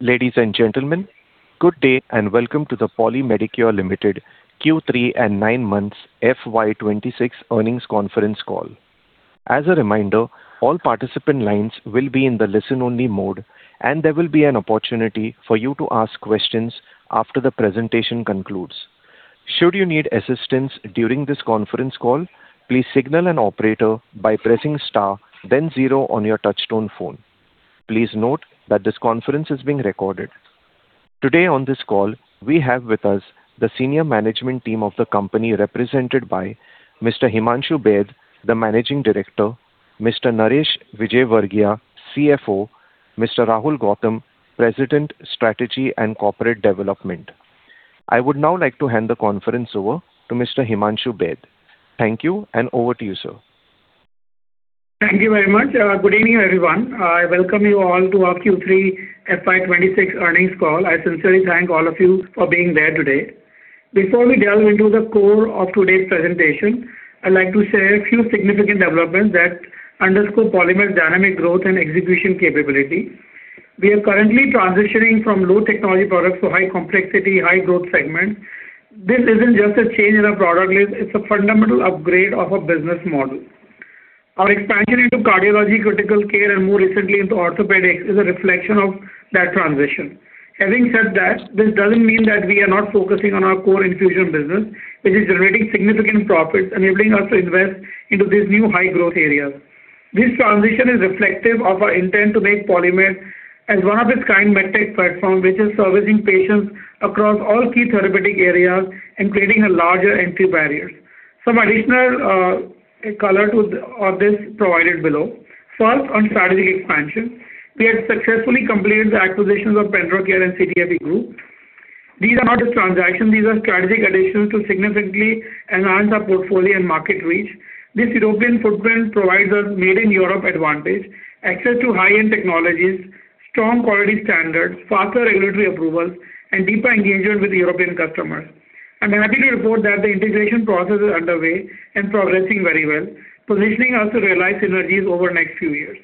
Ladies and gentlemen, good day and welcome to the Poly Medicure Limited Q3 and 9 months FY 2026 Earnings Conference Call. As a reminder, all participant lines will be in the listen-only mode, and there will be an opportunity for you to ask questions after the presentation concludes. Should you need assistance during this conference call, please signal an operator by pressing star, then 0 on your touchtone phone. Please note that this conference is being recorded. Today on this call we have with us the senior management team of the company represented by Mr. Himanshu Baid, the Managing Director; Mr. Naresh Vijayvargiya, CFO; Mr. Rahul Gautam, President, Strategy and Corporate Development. I would now like to hand the conference over to Mr. Himanshu Baid. Thank you, and over to you, sir. Thank you very much. Good evening, everyone. I welcome you all to our Q3 FY 2026 Earnings Call. I sincerely thank all of you for being there today. Before we delve into the core of today's presentation, I'd like to share a few significant developments that underscore PolyMed's dynamic growth and execution capability. We are currently transitioning from low-technology products to high-complexity, high-growth segments. This isn't just a change in our product list. It's a fundamental upgrade of our business model. Our expansion into cardiology-critical care and, more recently, into orthopedics is a reflection of that transition. Having said that, this doesn't mean that we are not focusing on our core infusion business, which is generating significant profits, enabling us to invest into these new high-growth areas. This transition is reflective of our intent to make PolyMed as one of its kind medtech platforms, which is servicing patients across all key therapeutic areas and creating larger entry barriers. Some additional color on this provided below. First, on strategic expansion, we had successfully completed the acquisitions of PendraCare and CTFE Group. These are not just transactions. These are strategic additions to significantly enhance our portfolio and market reach. This European footprint provides us with a made-in-Europe advantage, access to high-end technologies, strong quality standards, faster regulatory approvals, and deeper engagement with European customers. I'm happy to report that the integration process is underway and progressing very well, positioning us to realize synergies over the next few years.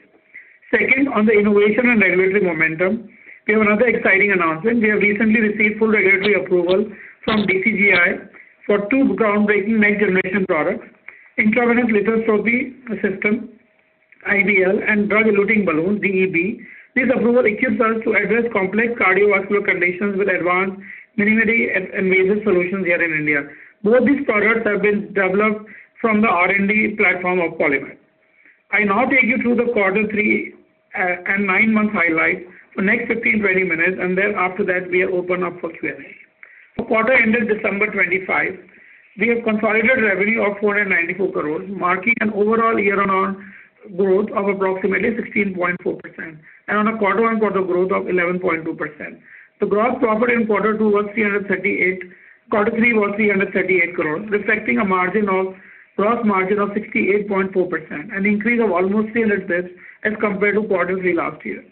Second, on the innovation and regulatory momentum, we have another exciting announcement. We have recently received full regulatory approval from DCGI for two groundbreaking next-generation products: Intravascular Lithotripsy System, IVL, and drug-eluting balloons, DEB. This approval equips us to address complex cardiovascular conditions with advanced minimally invasive solutions here in India. Both these products have been developed from the R&D platform of PolyMed. I now take you through the quarter three and nine months highlights for the next 15-20 minutes, and then after that, we are open up for Q&A. For quarter ended December 25, we have consolidated revenue of 494 crores, marking an overall year-on-year growth of approximately 16.4%, and on a quarter-on-quarter growth of 11.2%. The gross profit in quarter two was 338 crores, reflecting a gross margin of 68.4%, an increase of almost 300 bps as compared to quarter three last year.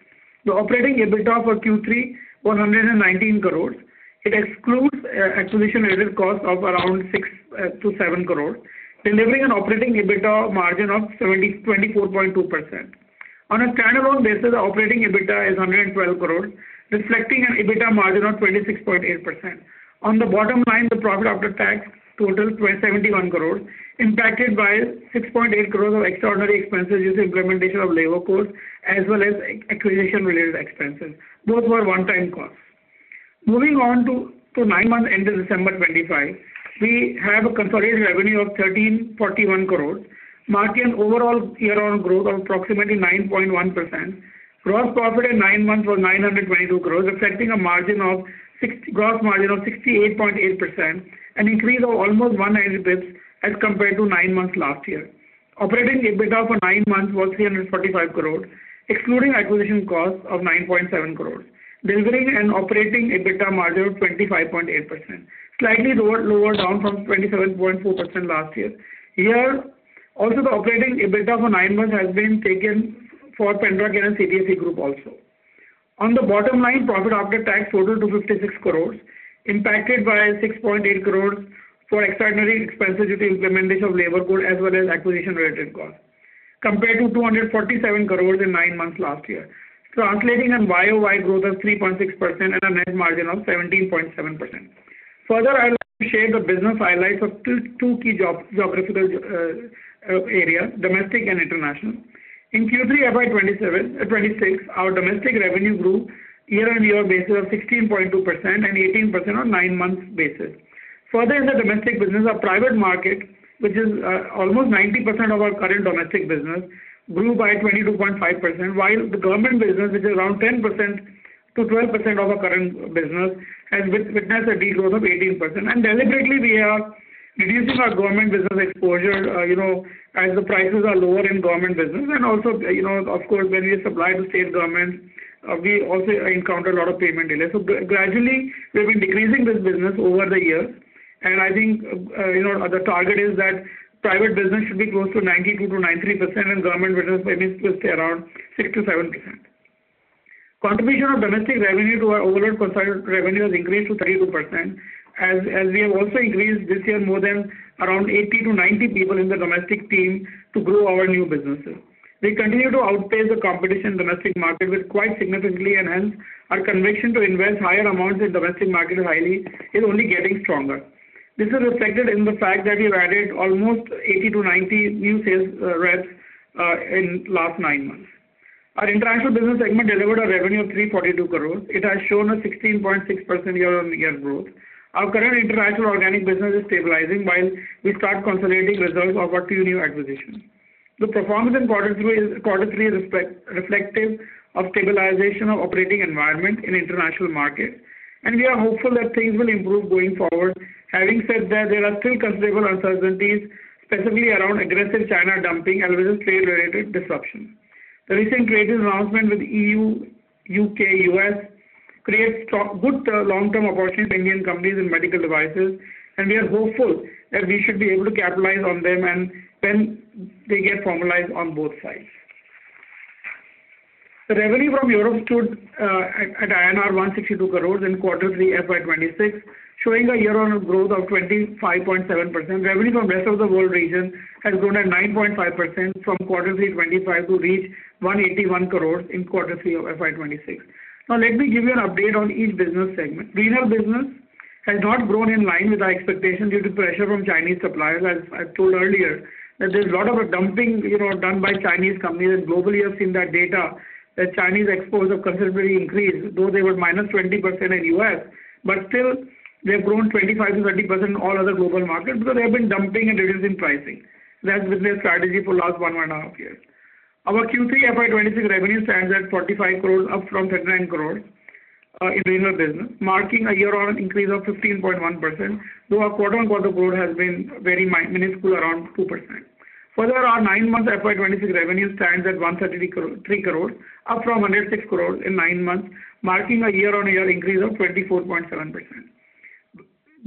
The operating EBITDA for Q3 was INR 119 crores. It excludes acquisition-related costs of around 6 crore-7 crores, delivering an operating EBITDA margin of 24.2%. On a standalone basis, the operating EBITDA is 112 crores, reflecting an EBITDA margin of 26.8%. On the bottom line, the profit after tax totaled 71 crores, impacted by 6.8 crores of extraordinary expenses due to implementation of Labor Codes as well as acquisition-related expenses, both for one-time costs. Moving on to nine months ended December 25, we have a consolidated revenue of 1,341 crores, marking an overall year-on-year growth of approximately 9.1%. Gross profit in nine months was 922 crores, reflecting a gross margin of 68.8%, an increase of almost 190 bps as compared to nine months last year. Operating EBITDA for nine months was 345 crores, excluding acquisition costs of 9.7 crores, delivering an operating EBITDA margin of 25.8%, slightly lower down from 27.4% last year. Here, also, the operating EBITDA for nine months has been taken for PendraCare and CTFE Group also. On the bottom line, profit after tax totaled 256 crore, impacted by 6.8 crore for extraordinary expenses due to implementation of Labor Codes as well as acquisition-related costs, compared to 247 crore in nine months last year, translating an YOY growth of 3.6% and a net margin of 17.7%. Further, I would like to share the business highlights of two key geographical areas, domestic and international. In Q3 FY 2026, our domestic revenue grew year-on-year basis of 16.2% and 18% on a nine-month basis. Further, in the domestic business, our private market, which is almost 90% of our current domestic business, grew by 22.5%, while the government business, which is around 10%-12% of our current business, has witnessed a degrowth of 18%. Deliberately, we are reducing our government business exposure as the prices are lower in government business. Also, of course, when we supply to state governments, we also encounter a lot of payment delays. Gradually, we have been decreasing this business over the years, and I think the target is that private business should be close to 92%-93%, and government business maybe should stay around 6%-7%. Contribution of domestic revenue to our overall consolidated revenue has increased to 32%, as we have also increased this year more than around 80%-90% people in the domestic team to grow our new businesses. We continue to outpace the competition in the domestic market quite significantly, and hence, our conviction to invest higher amounts in the domestic market highly is only getting stronger. This is reflected in the fact that we have added almost 80%-90% new sales reps in the last nine months. Our international business segment delivered a revenue of 342 crores. It has shown a 16.6% year-on-year growth. Our current international organic business is stabilizing while we start consolidating results of our two new acquisitions. The performance in quarter three is reflective of stabilization of the operating environment in the international markets, and we are hopeful that things will improve going forward. Having said that, there are still considerable uncertainties, specifically around aggressive China dumping and alleged trade-related disruption. The recent trade news announcements with the E.U., U.K., and U.S. create good long-term opportunities for Indian companies in medical devices, and we are hopeful that we should be able to capitalize on them when they get formalized on both sides. The revenue from Europe stood at INR 162 crores in quarter three FY 2026, showing a year-on-year growth of 25.7%. Revenue from the rest of the world region has grown at 9.5% from quarter three 25 to reach 181 crores in quarter three of FY 2026. Now, let me give you an update on each business segment. Renal business has not grown in line with our expectations due to pressure from Chinese suppliers. As I told earlier, there is a lot of dumping done by Chinese companies, and globally, you have seen that data that Chinese exports have considerably increased, though they were -20% in the U.S. But still, they have grown 25%-30% in all other global markets because they have been dumping and reducing pricing. That's been their strategy for the last one and a half years. Our Q3 FY 2026 revenue stands at 45 crores, up from 39 crores in renal business, marking a year-on-year increase of 15.1%, though our quarter-on-quarter growth has been very minuscule, around 2%. Further, our nine-month FY 2026 revenue stands at 133 crores, up from 106 crores in nine months, marking a year-on-year increase of 24.7%.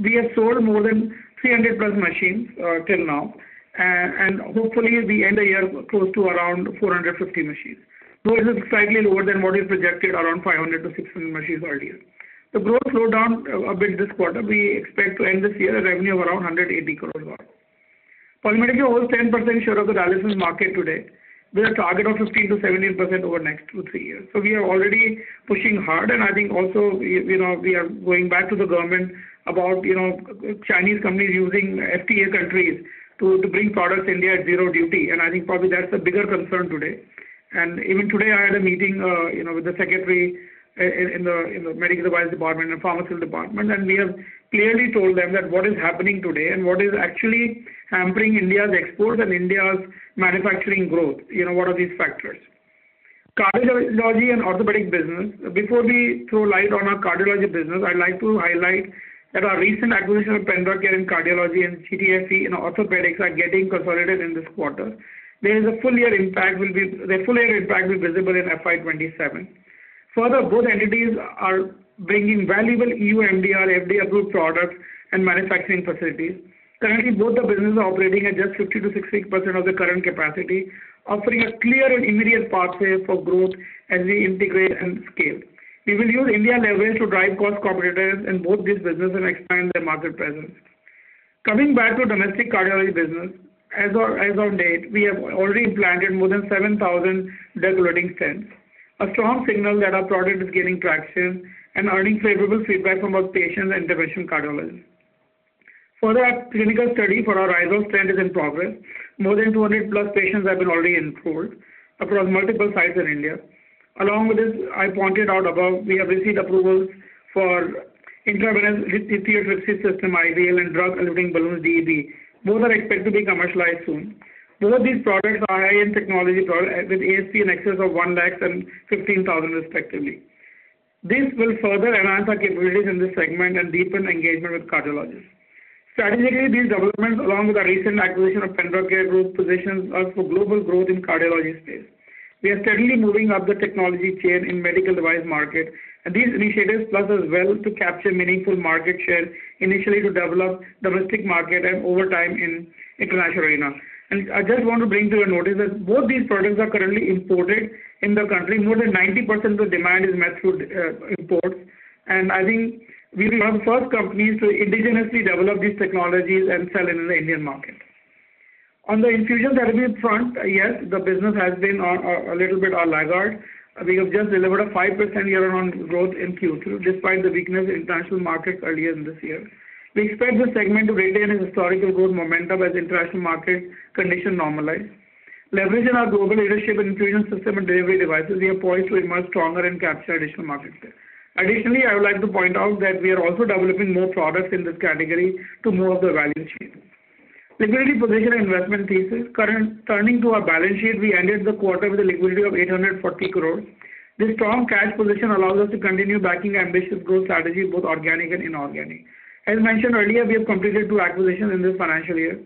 We have sold more than 300+ machines till now, and hopefully, we end the year close to around 450 machines, though it is slightly lower than what we projected around 500-600 machines earlier. The growth slowed down a bit this quarter. We expect to end this year with a revenue of around 180 crores out. Poly Medicure holds 10% share of the dialysis market today, with a target of 15%-17% over the next three years. So we are already pushing hard, and I think also we are going back to the government about Chinese companies using FTA countries to bring products to India at zero duty. I think probably that's a bigger concern today. Even today, I had a meeting with the secretary in the medical device department and pharmaceutical department, and we have clearly told them what is happening today and what is actually hampering India's exports and India's manufacturing growth. What are these factors? Cardiology and orthopedic business. Before we throw light on our cardiology business, I'd like to highlight that our recent acquisition of PendraCare and Cardiology and CTFE and orthopedics are getting consolidated in this quarter. Their full-year impact will be visible in FY 2027. Further, both entities are bringing valuable EU MDR FDA-approved products and manufacturing facilities. Currently, both the businesses are operating at just 50%-60% of the current capacity, offering a clear and immediate pathway for growth as we integrate and scale. We will use India leverage to drive cost competitors in both these businesses and expand their market presence. Coming back to the domestic cardiology business, as of date, we have already implanted more than 7,000 drug-eluting stents, a strong signal that our product is gaining traction and earning favorable feedback from both patients and intervention cardiologists. Further, a clinical study for our RisoR stent is in progress. More than 200+ patients have been already enrolled across multiple sites in India. Along with this, I pointed out above, we have received approvals for Intravascular Lithotripsy System, IVL, and drug-eluting balloons, DEB. Both are expected to be commercialized soon. Both these products are high-end technology products with ASP in excess of 1,000,000 and 15,000,000, respectively. This will further enhance our capabilities in this segment and deepen engagement with cardiologists. Strategically, these developments, along with our recent acquisition of PendraCare Group, position us for global growth in the cardiology space. We are steadily moving up the technology chain in the medical device market, and these initiatives plus us will capture meaningful market share initially to develop the domestic market and over time in the international arena. I just want to bring to your notice that both these products are currently imported in the country. More than 90% of the demand is met through imports, and I think we will be one of the first companies to indigenously develop these technologies and sell in the Indian market. On the infusion therapy front, yes, the business has been a little bit on laggard. We have just delivered a 5% year-over-year growth in Q3 despite the weakness in the international markets earlier in this year. We expect this segment to retain its historical growth momentum as international market conditions normalize. Leveraging our global leadership in the infusion system and delivery devices, we are poised to emerge stronger and capture additional market share. Additionally, I would like to point out that we are also developing more products in this category to move up the value chain. Liquidity position and investment thesis. Turning to our balance sheet, we ended the quarter with a liquidity of 840 crores. This strong cash position allows us to continue backing our ambitious growth strategy, both organic and inorganic. As mentioned earlier, we have completed two acquisitions in this financial year.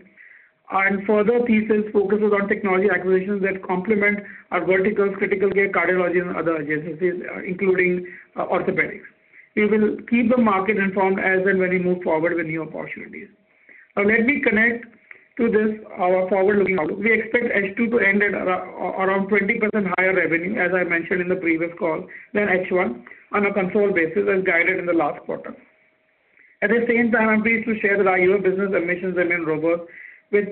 Further thesis focuses on technology acquisitions that complement our verticals: critical care, cardiology, and other agencies, including orthopedics. We will keep the market informed as and when we move forward with new opportunities. Now, let me connect to this forward-looking outlook. We expect H2 to end at around 20% higher revenue, as I mentioned in the previous call, than H1 on a controlled basis, as guided in the last quarter. At the same time, I am pleased to share that our U.S. business ambitions remain robust. With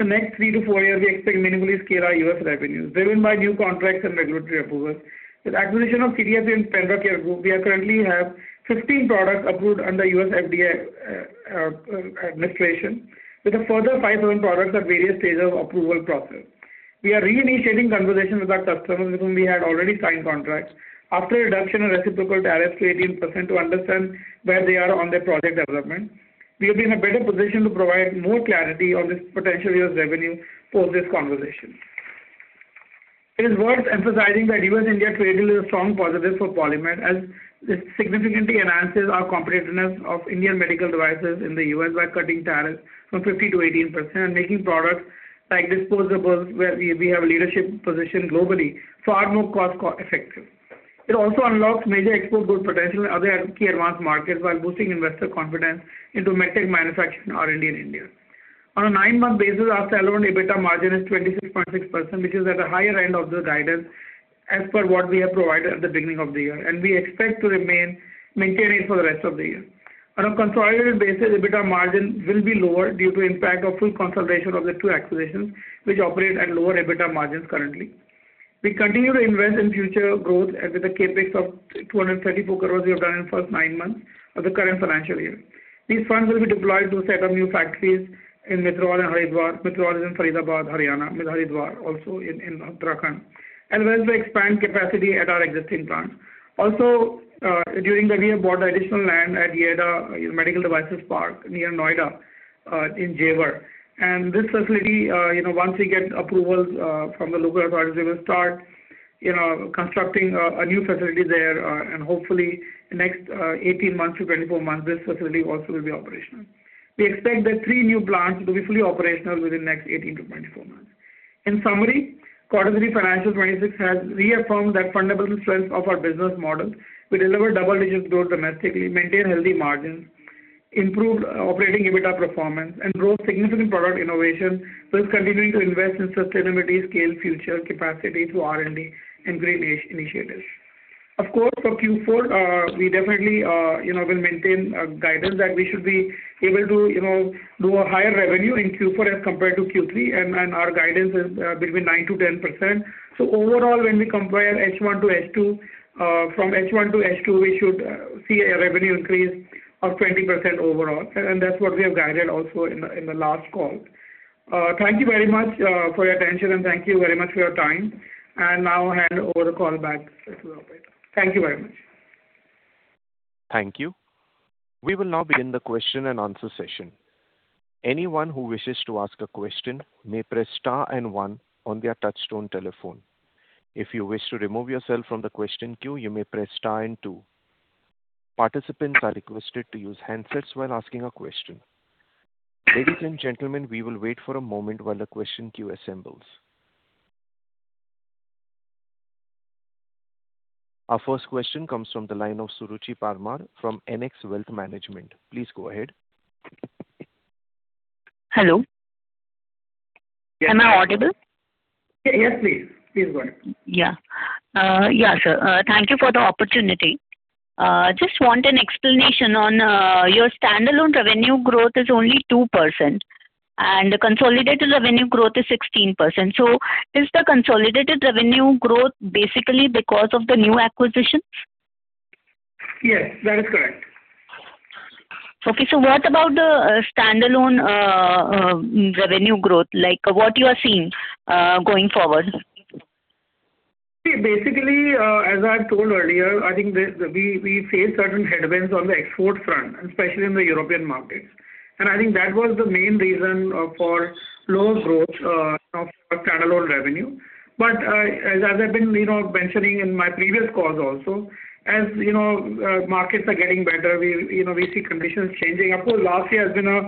the next three to four years, we expect to meaningfully scale our U.S. revenues driven by new contracts and regulatory approvals. With the acquisition of CTFE and PendraCare Group, we currently have 15 products approved under the U.S. FDA administration, with further 5,000 products at various stages of approval process. We are reinitiating conversations with our customers with whom we had already signed contracts after a reduction in reciprocal tariffs to 18% to understand where they are on their project development. We will be in a better position to provide more clarity on this potential U.S. revenue post this conversation. It is worth emphasizing that U.S.-India trade deal is a strong positive for PolyMed, as this significantly enhances our competitiveness of Indian medical devices in the U.S. by cutting tariffs from 50%-18% and making products like disposables, where we have a leadership position globally, far more cost-effective. It also unlocks major export growth potential in other key advanced markets while boosting investor confidence into medtech manufacturing R&D in India. On a 9-month basis, our standalone EBITDA margin is 26.6%, which is at the higher end of the guidance as per what we have provided at the beginning of the year, and we expect to maintain it for the rest of the year. On a consolidated basis, EBITDA margin will be lower due to the impact of full consolidation of the two acquisitions, which operate at lower EBITDA margins currently. We continue to invest in future growth with the CapEx of 234 crore we have done in the first 9 months of the current financial year. These funds will be deployed to set up new factories in Prithla and Haridwar. Prithla is in Faridabad, Haryana, and Haridwar also in Uttarakhand, as well as to expand capacity at our existing plants. Also, during the year, we bought additional land at YEIDA Medical Device Park near Noida in Jewar. This facility, once we get approvals from the local authorities, we will start constructing a new facility there, and hopefully, in the next 18-24 months, this facility also will be operational. We expect that 3 new plants will be fully operational within the next 18-24 months. In summary, Q3 FY 2026 has reaffirmed the fundamental strengths of our business model. We delivered double-digit growth domestically, maintained healthy margins, improved operating EBITDA performance, and brought significant product innovation. We are continuing to invest in sustainability, scale, and future capacity through R&D and green initiatives. Of course, for Q4, we definitely will maintain guidance that we should be able to do a higher revenue in Q4 as compared to Q3, and our guidance is between 9%-10%. So overall, when we compare H1 to H2, from H1 to H2, we should see a revenue increase of 20% overall, and that's what we have guided also in the last call. Thank you very much for your attention, and thank you very much for your time. Now, I hand over the call back to Robert. Thank you very much. Thank you. We will now begin the question and answer session. Anyone who wishes to ask a question may press star and one on their touch-tone telephone. If you wish to remove yourself from the question queue, you may press star and two. Participants are requested to use handsets while asking a question. Ladies and gentlemen, we will wait for a moment while the question queue assembles. Our first question comes from the line of Suruchi Parmar from NX Wealth Management. Please go ahead. Hello. Am I audible? Yes, please. Please go ahead. Yeah. Yeah, sir. Thank you for the opportunity. Just want an explanation on your standalone revenue growth is only 2%, and the consolidated revenue growth is 16%. So is the consolidated revenue growth basically because of the new acquisitions? Yes, that is correct. Okay, so what about the standalone revenue growth? What are you seeing going forward? Basically, as I have told earlier, I think we faced certain headwinds on the export front, especially in the European markets. I think that was the main reason for lower growth of standalone revenue. But as I have been mentioning in my previous calls also, as markets are getting better, we see conditions changing. Of course, last year has been a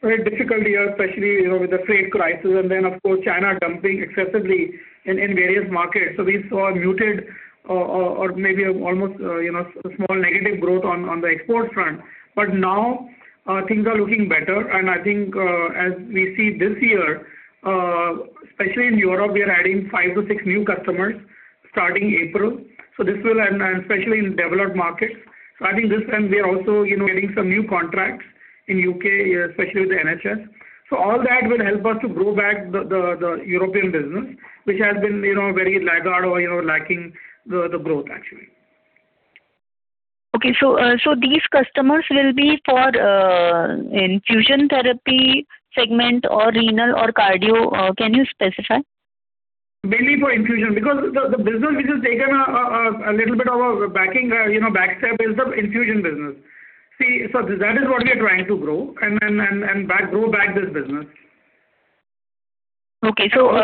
very difficult year, especially with the trade crisis, and then, of course, China dumping excessively in various markets. So we saw muted or maybe almost small negative growth on the export front. But now, things are looking better, and I think as we see this year, especially in Europe, we are adding 5-6 new customers starting April. So this will, and especially in developed markets. So I think this time, we are also getting some new contracts in the UK, especially with the NHS. All that will help us to grow back the European business, which has been very laggard or lacking the growth, actually. Okay, so these customers will be for Infusion Therapy segment or Renal or Cardio. Can you specify? Mainly for infusion because the business which is taking a little bit of a back step is the infusion business. See, so that is what we are trying to grow and grow back this business. Okay, So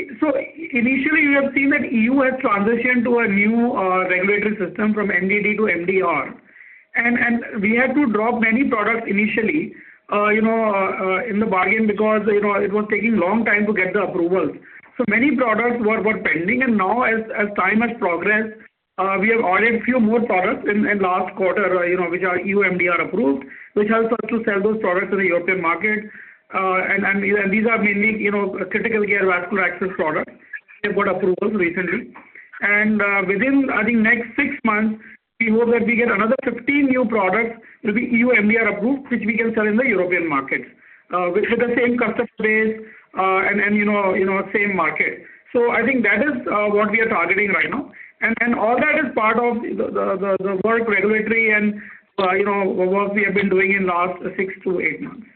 initially, we have seen that the EU has transitioned to a new regulatory system from MDD to MDR, and we had to drop many products initially in the bargain because it was taking a long time to get the approvals. So many products were pending, and now, as time has progressed, we have added a few more products in the last quarter, which are EU MDR approved, which helps us to sell those products in the European market. And these are mainly critical care, vascular access products. We have got approvals recently. And within, I think, the next six months, we hope that we get another 15 new products that will be EU MDR approved, which we can sell in the European markets with the same customer base and same market. So I think that is what we are targeting right now. All that is part of the work regulatory and what we have been doing in the last 6-8 months.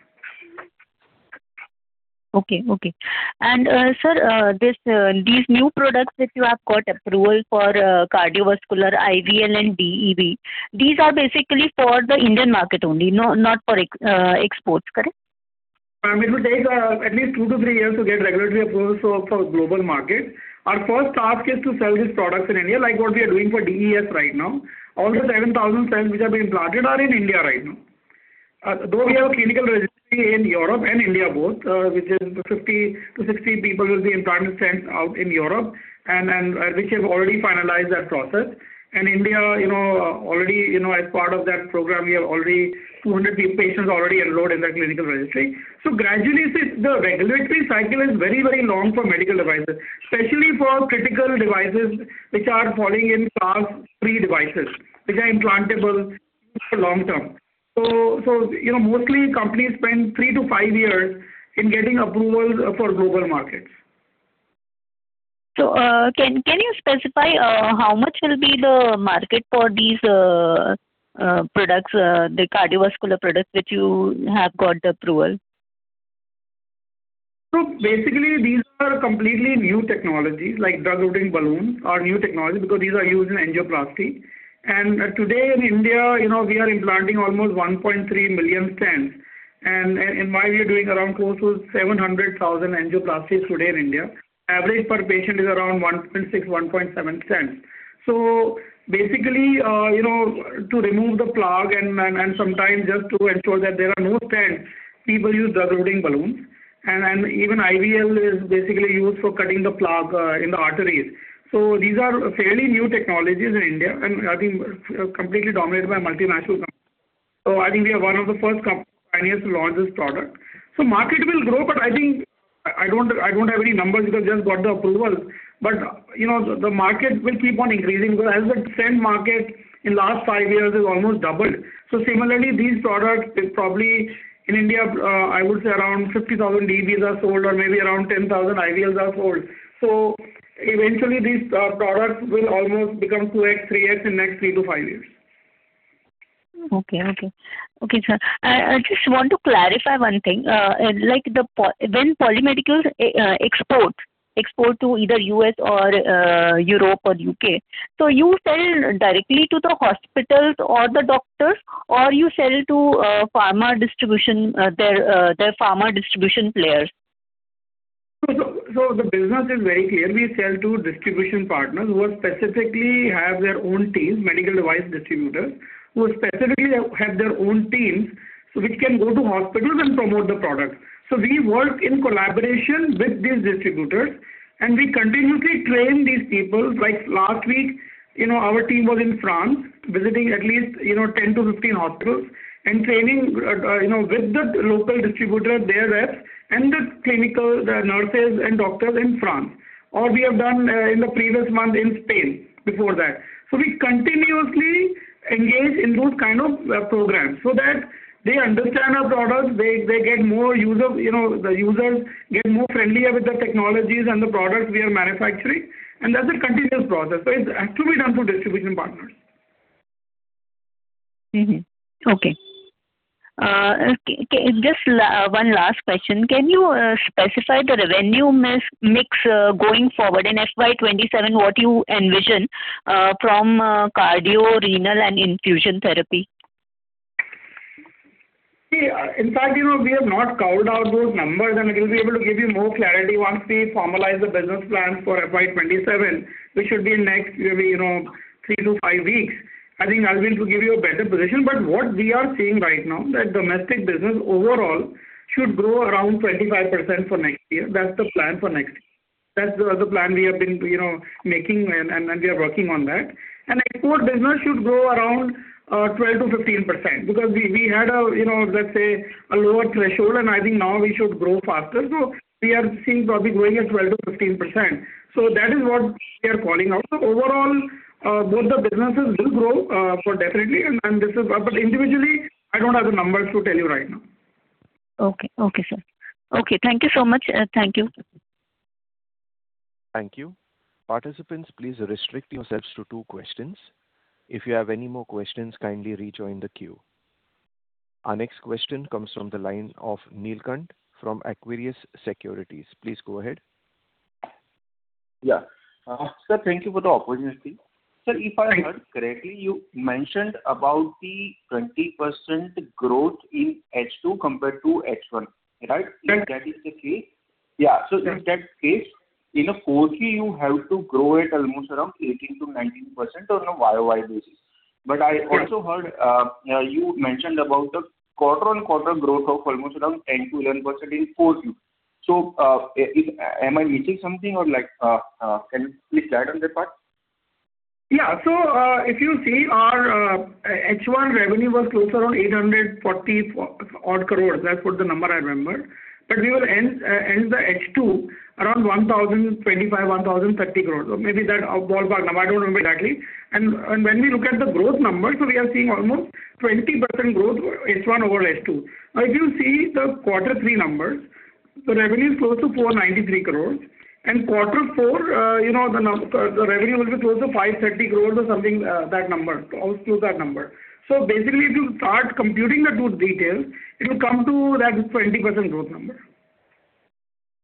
Okay, okay. Sir, these new products which you have got approval for cardiovascular, IVL, and DEB, these are basically for the Indian market only, not for exports, correct? It will take at least 2-3 years to get regulatory approvals for global markets. Our first task is to sell these products in India, like what we are doing for DES right now. All the 7,000 stents which have been implanted are in India right now. Though we have a clinical registry in Europe and India both, which is 50-60 people will be implanting stents out in Europe, and which have already finalized that process. And India, already as part of that program, we have already 200 patients already enrolled in that clinical registry. So gradually, the regulatory cycle is very, very long for medical devices, especially for critical devices which are falling in class three devices, which are implantable for long term. So mostly, companies spend 3-5 years in getting approvals for global markets. Can you specify how much will be the market for these products, the cardiovascular products which you have got approval? So basically, these are completely new technologies, like drug-eluting balloons are new technology because these are used in angioplasty. And today in India, we are implanting almost 1.3 million stents. And in my view, doing around close to 700,000 angioplasties today in India, average per patient is around 1.6-1.7 stents. So basically, to remove the plug and sometimes just to ensure that there are no stents, people use drug-eluting balloons. And even IVL is basically used for cutting the plug in the arteries. So these are fairly new technologies in India and I think completely dominated by multinational companies. So I think we are one of the first pioneers to launch this product. So market will grow, but I think I don't have any numbers because I just got the approvals. But the market will keep on increasing because as the stent market in the last 5 years has almost doubled. So similarly, these products, probably in India, I would say around 50,000 DEBs are sold or maybe around 10,000 IVLs are sold. So eventually, these products will almost become 2x, 3x in the next 3 to 5 years. Okay, okay, okay, sir. I just want to clarify one thing. When PolyMed exports to either the U.S. or Europe or the U.K., do you sell directly to the hospitals or the doctors, or do you sell to pharma distribution, their pharma distribution players? So the business is very clear. We sell to distribution partners who specifically have their own teams, medical device distributors who specifically have their own teams which can go to hospitals and promote the products. So we work in collaboration with these distributors, and we continuously train these people. Like last week, our team was in France visiting at least 10-15 hospitals and training with the local distributor, their reps, and the clinical nurses and doctors in France. Or we have done in the previous month in Spain before that. So we continuously engage in those kinds of programs so that they understand our products. They get more use of the users, get more friendlier with the technologies and the products we are manufacturing. And that's a continuous process. So it has to be done through distribution partners. Okay. Just one last question. Can you specify the revenue mix going forward in FY 2027, what you envision from cardio, renal, and infusion therapy? See, in fact, we have not called out those numbers, and we will be able to give you more clarity once we formalize the business plan for FY 2027, which should be in the next 3-5 weeks. I think I will give you a better position. But what we are seeing right now is that domestic business overall should grow around 25% for next year. That's the plan for next year. That's the plan we have been making, and we are working on that. And export business should grow around 12%-15% because we had, let's say, a lower threshold, and I think now we should grow faster. So we are seeing probably growing at 12%-15%. So that is what we are calling out. So overall, both the businesses will grow, definitely. But individually, I don't have the numbers to tell you right now. Okay, okay, sir. Okay, thank you so much. Thank you. Thank you. Participants, please restrict yourselves to two questions. If you have any more questions, kindly rejoin the queue. Our next question comes from the line of Neelkanth from Equirus Securities. Please go ahead. Yeah. Sir, thank you for the opportunity. Sir, if I heard correctly, you mentioned about the 20% growth in H2 compared to H1, right? Correct. If that is the case. Yeah. Yeah. So in that case, in a 4Q, you have to grow at almost around 18%-19% on a YOY basis. But I also heard you mentioned about the quarter-on-quarter growth of almost around 10%-11% in 4Q. So am I missing something, or can you please guide on that part? Yeah. So if you see, our H1 revenue was close around 840-odd crores. That's what the number I remember. But we will end the H2 around 1,025-1,030 crores. So maybe that ballpark number. I don't remember exactly. And when we look at the growth numbers, we are seeing almost 20% growth H1 over H2. Now, if you see the quarter three numbers, the revenue is close to 493 crores. And quarter four, the revenue will be close to 530 crores or something, that number, close to that number. So basically, if you start computing the two details, it will come to that 20% growth number.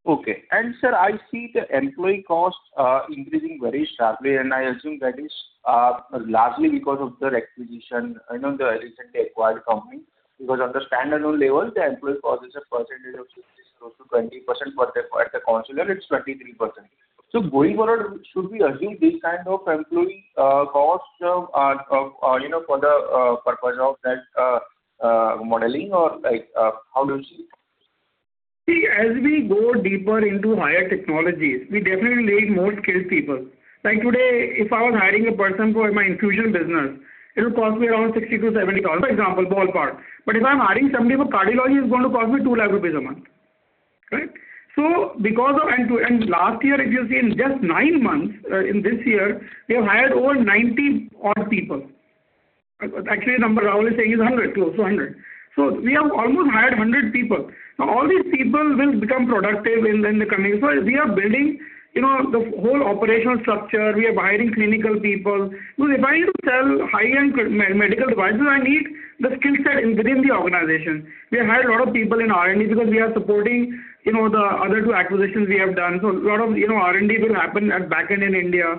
Okay. Sir, I see the employee cost increasing very sharply, and I assume that is largely because of the acquisition, the recently acquired company. Because on the standalone level, the employee cost is a percentage of 60% close to 20%. But at the consolidated, it's 23%. Going forward, should we assume this kind of employee cost for the purpose of that modeling, or how do you see it? See, as we go deeper into higher technologies, we definitely need more skilled people. Like today, if I was hiring a person for my infusion business, it will cost me around INR 60-INR 70. For example, ballpark. But if I'm hiring somebody for cardiology, it's going to cost me INR 2 lakh a month, right? And last year, if you see, in just nine months, in this year, we have hired over 90-odd people. Actually, the number Rahul is saying is 100, close to 100. So we have almost hired 100 people. Now, all these people will become productive in the coming years. So we are building the whole operational structure. We are hiring clinical people because if I need to sell high-end medical devices, I need the skill set within the organization. We have hired a lot of people in R&D because we are supporting the other two acquisitions we have done. So a lot of R&D will happen at the back end in India.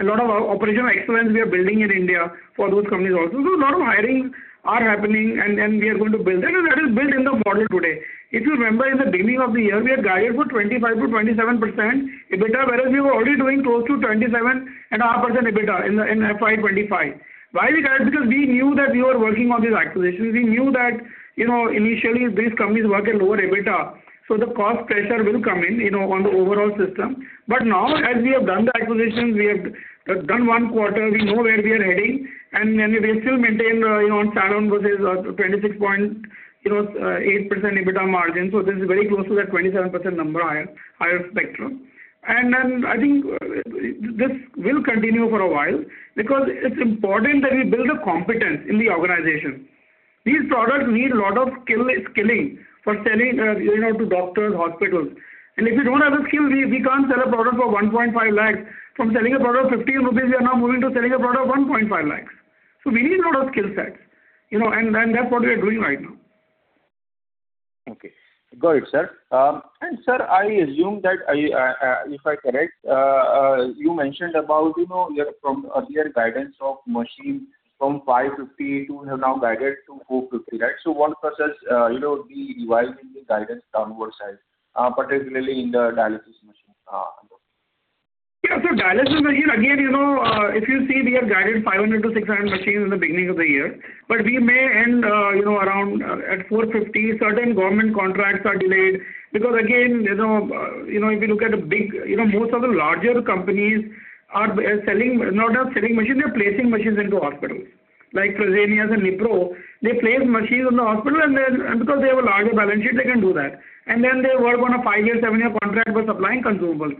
A lot of operational excellence we are building in India for those companies also. So a lot of hirings are happening, and we are going to build that. And that is built in the model today. If you remember, in the beginning of the year, we had guided for 25%-27% EBITDA, whereas we were already doing close to 27.5% EBITDA in FY 20 2025. Why we guided? Because we knew that we were working on these acquisitions. We knew that initially, these companies work at lower EBITDA. So the cost pressure will come in on the overall system. But now, as we have done the acquisitions, we have done one quarter. We know where we are heading, and we still maintain on standalone versus 26.8% EBITDA margin. So this is very close to that 27% number, higher spectrum. And then I think this will continue for a while because it's important that we build the competence in the organization. These products need a lot of skilling for selling to doctors, hospitals. And if we don't have the skill, we can't sell a product for 1.5 lakh. From selling a product of 15 rupees, we are now moving to selling a product of 1.5 lakh. So we need a lot of skill sets, and that's what we are doing right now. Okay, got it, sir. Sir, I assume that if I'm correct, you mentioned about your earlier guidance of machines from 550 to have now guided to 450, right? What process will be revising the guidance downwards side, particularly in the dialysis machine? Yeah. So dialysis machine, again, if you see, we have guided 500-600 machines in the beginning of the year. But we may end around at 450. Certain government contracts are delayed because, again, if you look at the big, most of the larger companies are selling not just selling machines, they're placing machines into hospitals. Like Fresenius and Nipro, they place machines in the hospital, and then because they have a larger balance sheet, they can do that. And then they work on a 5-year, 7-year contract by supplying consumables.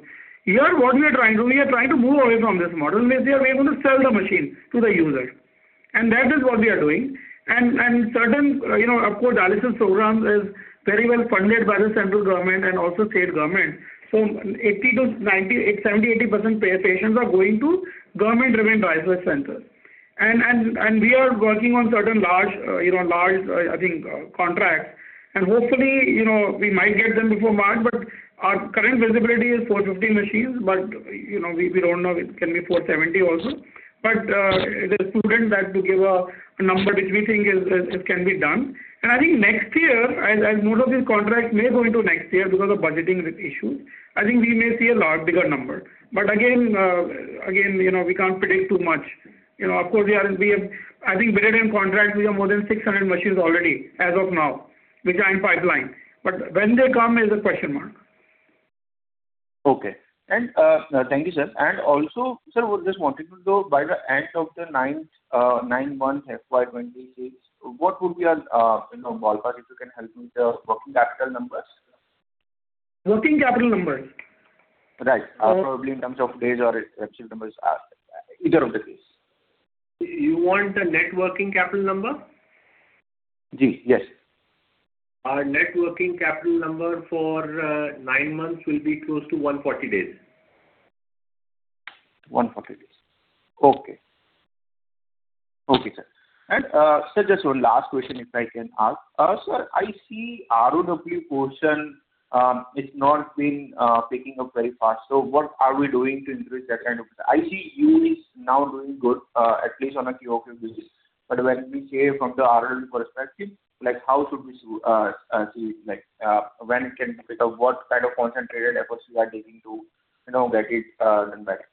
Here, what we are trying to do, we are trying to move away from this model in which we are going to sell the machine to the user. And that is what we are doing. And certain, of course, dialysis programs are very well funded by the central government and also state government. 70%-80% patients are going to government-driven dialysis centers. We are working on certain large, I think, contracts. Hopefully, we might get them before March. Our current visibility is 450 machines, but we don't know if it can be 470 also. There's prudent to give a number which we think can be done. Next year, as most of these contracts may go into next year because of budgeting issues, I think we may see a larger number. Again, we can't predict too much. Of course, I think we have bidden in contracts which are more than 600 machines already as of now, which are in pipeline. When they come is a question mark. Okay. Thank you, sir. And also, sir, just wanting to know, by the end of the ninth month, FY 2026, what would be a ballpark, if you can help me, the working capital numbers? Working capital numbers? Right. Probably in terms of days or in either case. You want the net working capital number? G, yes. Our net working capital number for nine months will be close to 140 days. 140 days. Okay. Okay, sir. And sir, just one last question, if I can ask. Sir, I see ROW portion has not been picking up very fast. So what are we doing to increase that kind of? I see you are now doing good, at least on a QOQ basis. But when we say from the ROW perspective, how should we see when it can be picked up? What kind of concentrated efforts we are taking to get it done better?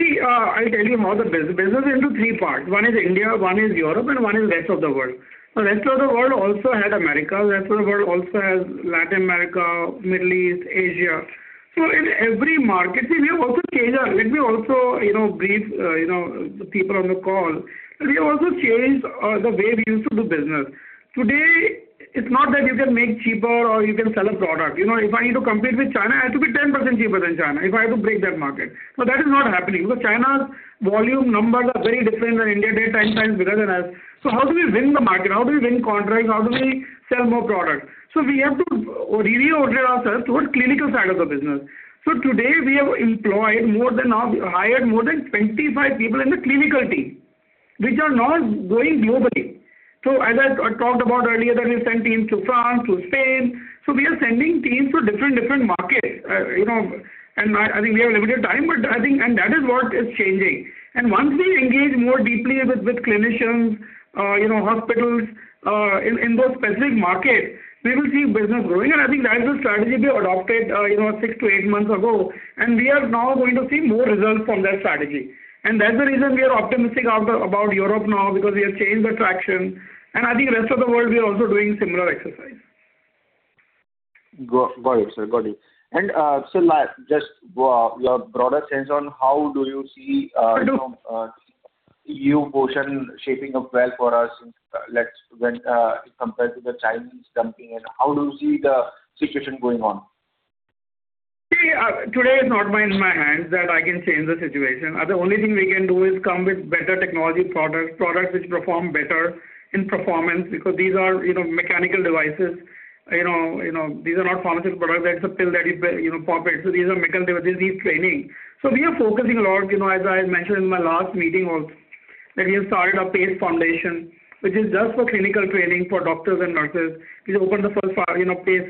See, I'll tell you how the business is into three parts. One is India, one is Europe, and one is the rest of the world. The rest of the world also has America. The rest of the world also has Latin America, Middle East, Asia. So in every market, see, we have also changed. Let me also brief the people on the call. We have also changed the way we used to do business. Today, it's not that you can make cheaper or you can sell a product. If I need to compete with China, I have to be 10% cheaper than China if I have to break that market. But that is not happening because China's volume numbers are very different than India's ten times because of us. So how do we win the market? How do we win contracts? How do we sell more products? So we have to reorder ourselves towards the clinical side of the business. So today, we have employed more than now, hired more than 25 people in the clinical team, which are now going globally. So as I talked about earlier, that we have sent teams to France, to Spain. So we are sending teams to different, different markets. And I think we have limited time, but I think that is what is changing. And once we engage more deeply with clinicians, hospitals, in those specific markets, we will see business growing. And I think that is the strategy we adopted 6-8 months ago. And we are now going to see more results from that strategy. And that's the reason we are optimistic about Europe now because we have changed the traction. And I think the rest of the world, we are also doing a similar exercise. Got it, sir. Got it. And sir, just your broader sense on how do you see your portion shaping up well for us compared to the Chinese dumping in? How do you see the situation going on? See, today is not in my hands that I can change the situation. The only thing we can do is come with better technology products, products which perform better in performance because these are mechanical devices. These are not pharmaceutical products. That's a pill that you pop it. So these are mechanical devices. These need training. So we are focusing a lot, as I mentioned in my last meeting also, that we have started a PACE Foundation, which is just for clinical training for doctors and nurses. We opened the first PACE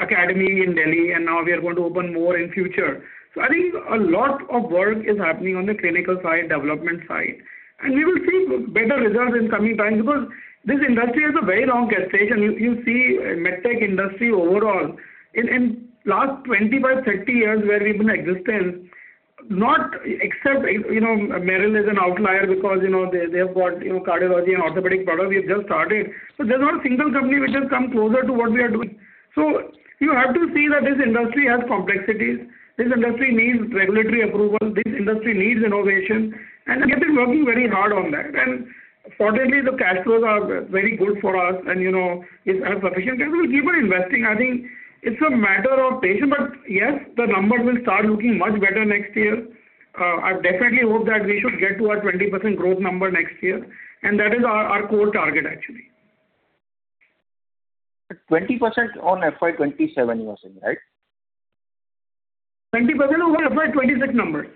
Academy in Delhi, and now we are going to open more in the future. So I think a lot of work is happening on the clinical side, development side. And we will see better results in the coming times because this industry has a very long gestation. You see the medtech industry overall, in the last 25-30 years where we've been in existence, except Meril is an outlier because they have got cardiology and orthopedic products. We have just started. But there's not a single company which has come closer to what we are. So you have to see that this industry has complexities. This industry needs regulatory approval. This industry needs innovation. And we have been working very hard on that. And fortunately, the cash flows are very good for us, and it's a sufficient cash flow. We keep on investing. I think it's a matter of patience. But yes, the numbers will start looking much better next year. I definitely hope that we should get to our 20% growth number next year. And that is our core target, actually. But 20% on FY 2027, you are saying, right? 20% over FY 2026 numbers.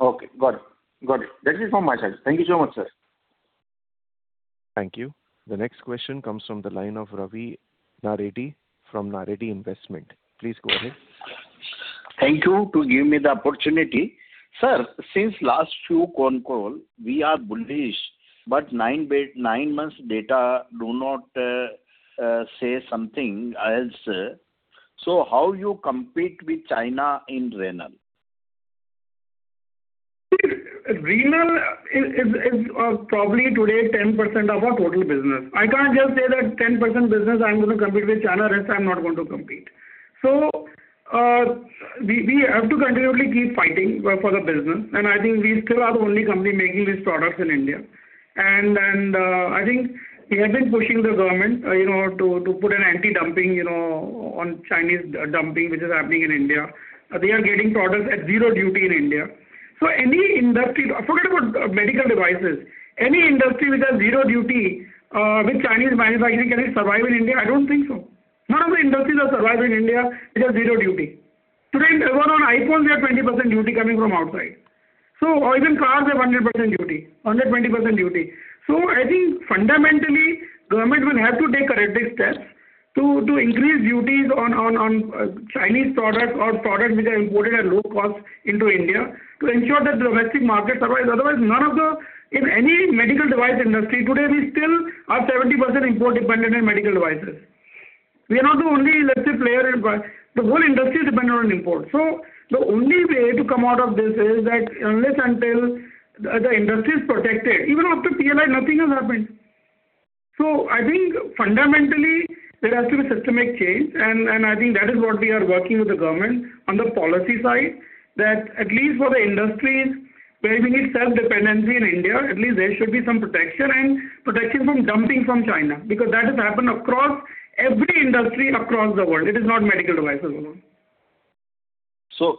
Okay, got it. Got it. That is it from my side. Thank you so much, sir. Thank you. The next question comes from the line of Ravi Naredi from Naredi Investment. Please go ahead. Thank you for giving me the opportunity. Sir, since the last few calls, we are bullish. But nine months' data do not say something else. So how do you compete with China in renal? See, Renal is probably today 10% of our total business. I can't just say that 10% business I'm going to compete with China. The rest, I'm not going to compete. So we have to continually keep fighting for the business. And I think we still are the only company making these products in India. And I think we have been pushing the government to put an anti-dumping on Chinese dumping, which is happening in India. They are getting products at 0 duty in India. So any industry—I forgot about medical devices. Any industry which has 0 duty with Chinese manufacturing can survive in India? I don't think so. None of the industries that survive in India which have 0 duty. Today, even on iPhones, they have 20% duty coming from outside. So even cars, they have 100% duty, 120% duty. So I think fundamentally, the government will have to take corrective steps to increase duties on Chinese products or products which are imported at low cost into India to ensure that the domestic market survives. Otherwise, none of the, in any medical device industry today, we still are 70% import-dependent on medical devices. We are not the only, let's say, player in the whole industry is dependent on imports. So the only way to come out of this is that unless until the industry is protected, even after PLI, nothing has happened. So I think fundamentally, there has to be a systemic change. I think that is what we are working with the government on the policy side, that at least for the industries where we need self-dependency in India, at least there should be some protection and protection from dumping from China because that has happened across every industry across the world. It is not medical devices alone.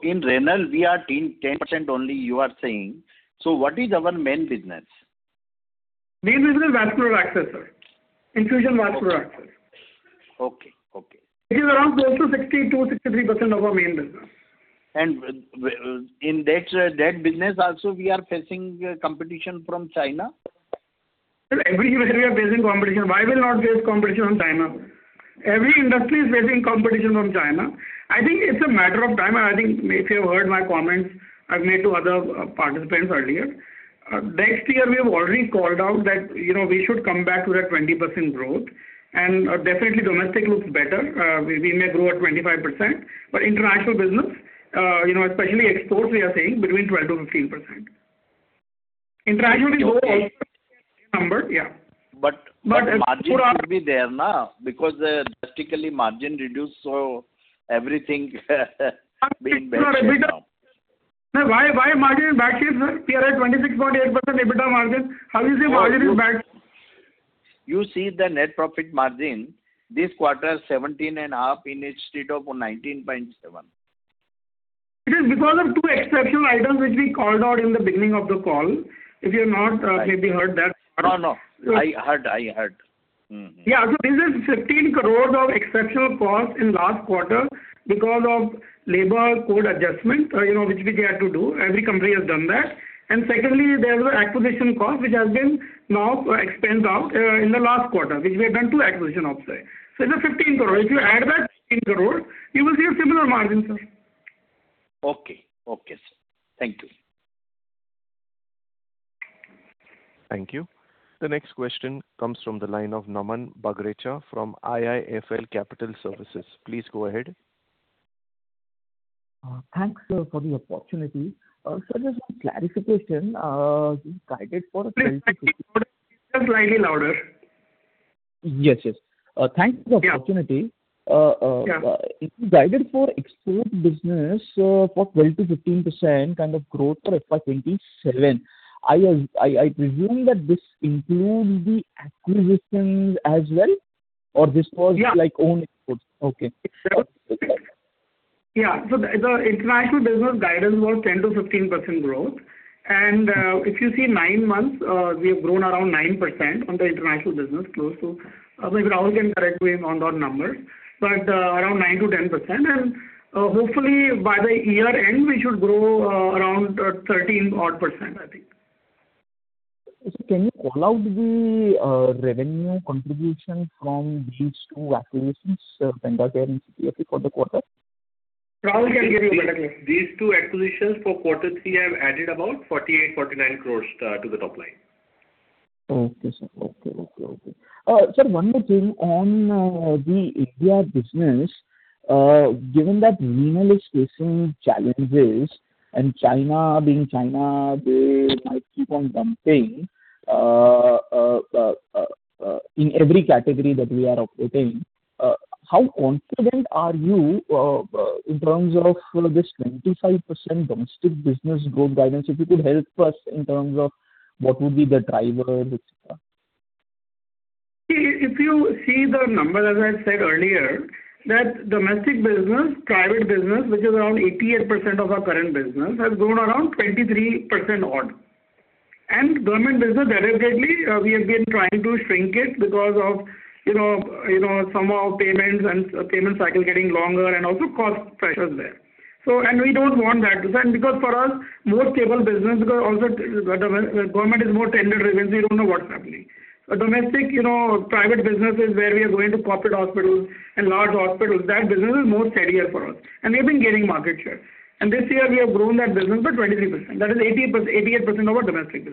In renal, we are 10% only, you are saying. What is our main business? Main business is vascular access, sir, infusion vascular access, which is around close to 60%-63% of our main business. In that business also, we are facing competition from China? Everywhere, we are facing competition. Why will we not face competition from China? Every industry is facing competition from China. I think it's a matter of time. And I think if you have heard my comments I've made to other participants earlier, next year, we have already called out that we should come back to that 20% growth. And definitely, domestic looks better. We may grow at 25%. But international business, especially exports, we are saying between 12%-15%. International is also numbered. Yeah. Margin should be there now because drastically margin reduced, so everything has been better. No, why is margin in bad shape, sir? We are at 26.8% EBITDA margin. How do you say margin is bad? You see the net profit margin this quarter is 17.5% instead of 19.7%. It is because of two exceptional items which we called out in the beginning of the call. If you have not maybe heard that. No, no. I heard. I heard. Yeah. So this is 15 crore of exceptional costs in the last quarter because of labor code adjustment which we had to do. Every company has done that. And secondly, there was an acquisition cost which has been now expensed out in the last quarter, which we have done two acquisition ops there. So it's 15 crore. If you add that 15 crore, you will see a similar margin, sir. Okay. Okay, sir. Thank you. Thank you. The next question comes from the line of Naman Bagrecha from IIFL Capital Services. Please go ahead. Thanks, sir, for the opportunity. Sir, just one clarification. You guided for 12-15. Sir, slightly louder. Yes, yes. Thanks for the opportunity. You guided for export business for 12%-15% kind of growth for FY 2027. I presume that this includes the acquisitions as well, or this was OEM exports? Okay. Yeah. So the international business guidance was 10%-15% growth. And if you see nine months, we have grown around 9% on the international business, close to maybe Rahul can correct me on those numbers, but around 9%-10%. And hopefully, by the year-end, we should grow around 13-odd%, I think. Sir, can you call out the revenue contribution from these two acquisitions, PendraCare and CTFE, for the quarter? Rahul can give you a better clue. These two acquisitions for quarter three have added about 48-49 crore to the top line. Okay, sir. Okay, okay, okay. Sir, one more thing. On the India business, given that renal is facing challenges and China being China, they might keep on dumping in every category that we are operating, how confident are you in terms of this 25% domestic business growth guidance? If you could help us in terms of what would be the drivers, etc. See, if you see the number, as I said earlier, the domestic business—private business—which is around 88% of our current business has grown around 23% odd. Government business, deliberately, we have been trying to shrink it because of some of payments and payment cycle getting longer and also cost pressures there. We don't want that to happen because for us, most valuable business because also the government is more tender-driven, so we don't know what's happening. Domestic private business where we are going to corporate hospitals and large hospitals, that business is more steadier for us. We have been gaining market share. This year, we have grown that business by 23%. That is 88% of our domestic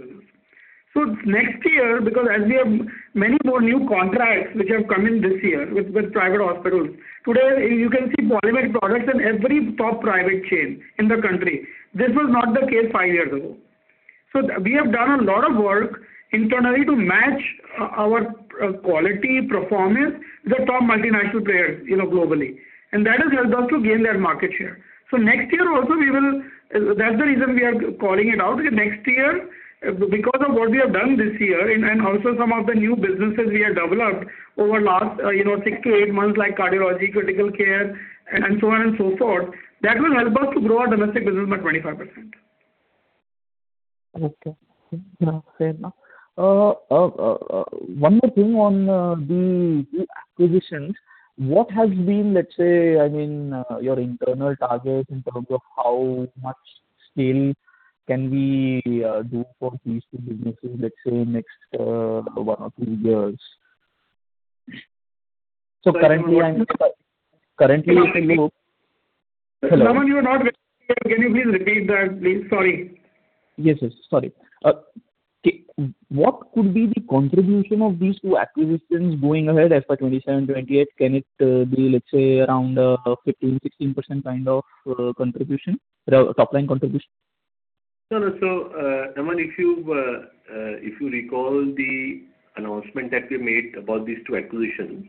business. So next year, because as we have many more new contracts which have come in this year with private hospitals, today, you can see PolyMed products in every top private chain in the country. This was not the case five years ago. So we have done a lot of work internally to match our quality performance with the top multinational players globally. And that has helped us to gain that market share. So next year also, we will. That's the reason we are calling it out. Next year, because of what we have done this year and also some of the new businesses we have developed over the last six to eight months, like cardiology, critical care, and so on and so forth, that will help us to grow our domestic business by 25%. Okay. Yeah, fair enough. One more thing on the acquisitions. What has been, let's say, I mean, your internal targets in terms of how much scale can we do for these two businesses, let's say, next one or two years? So currently, I mean, currently, if you look. Raman, you are not ready. Can you please repeat that, please? Sorry. Yes, yes. Sorry. What could be the contribution of these two acquisitions going ahead FY 2027- 2028? Can it be, let's say, around 15%-16% kind of contribution, top-line contribution? No, no. So Raman, if you recall the announcement that we made about these two acquisitions,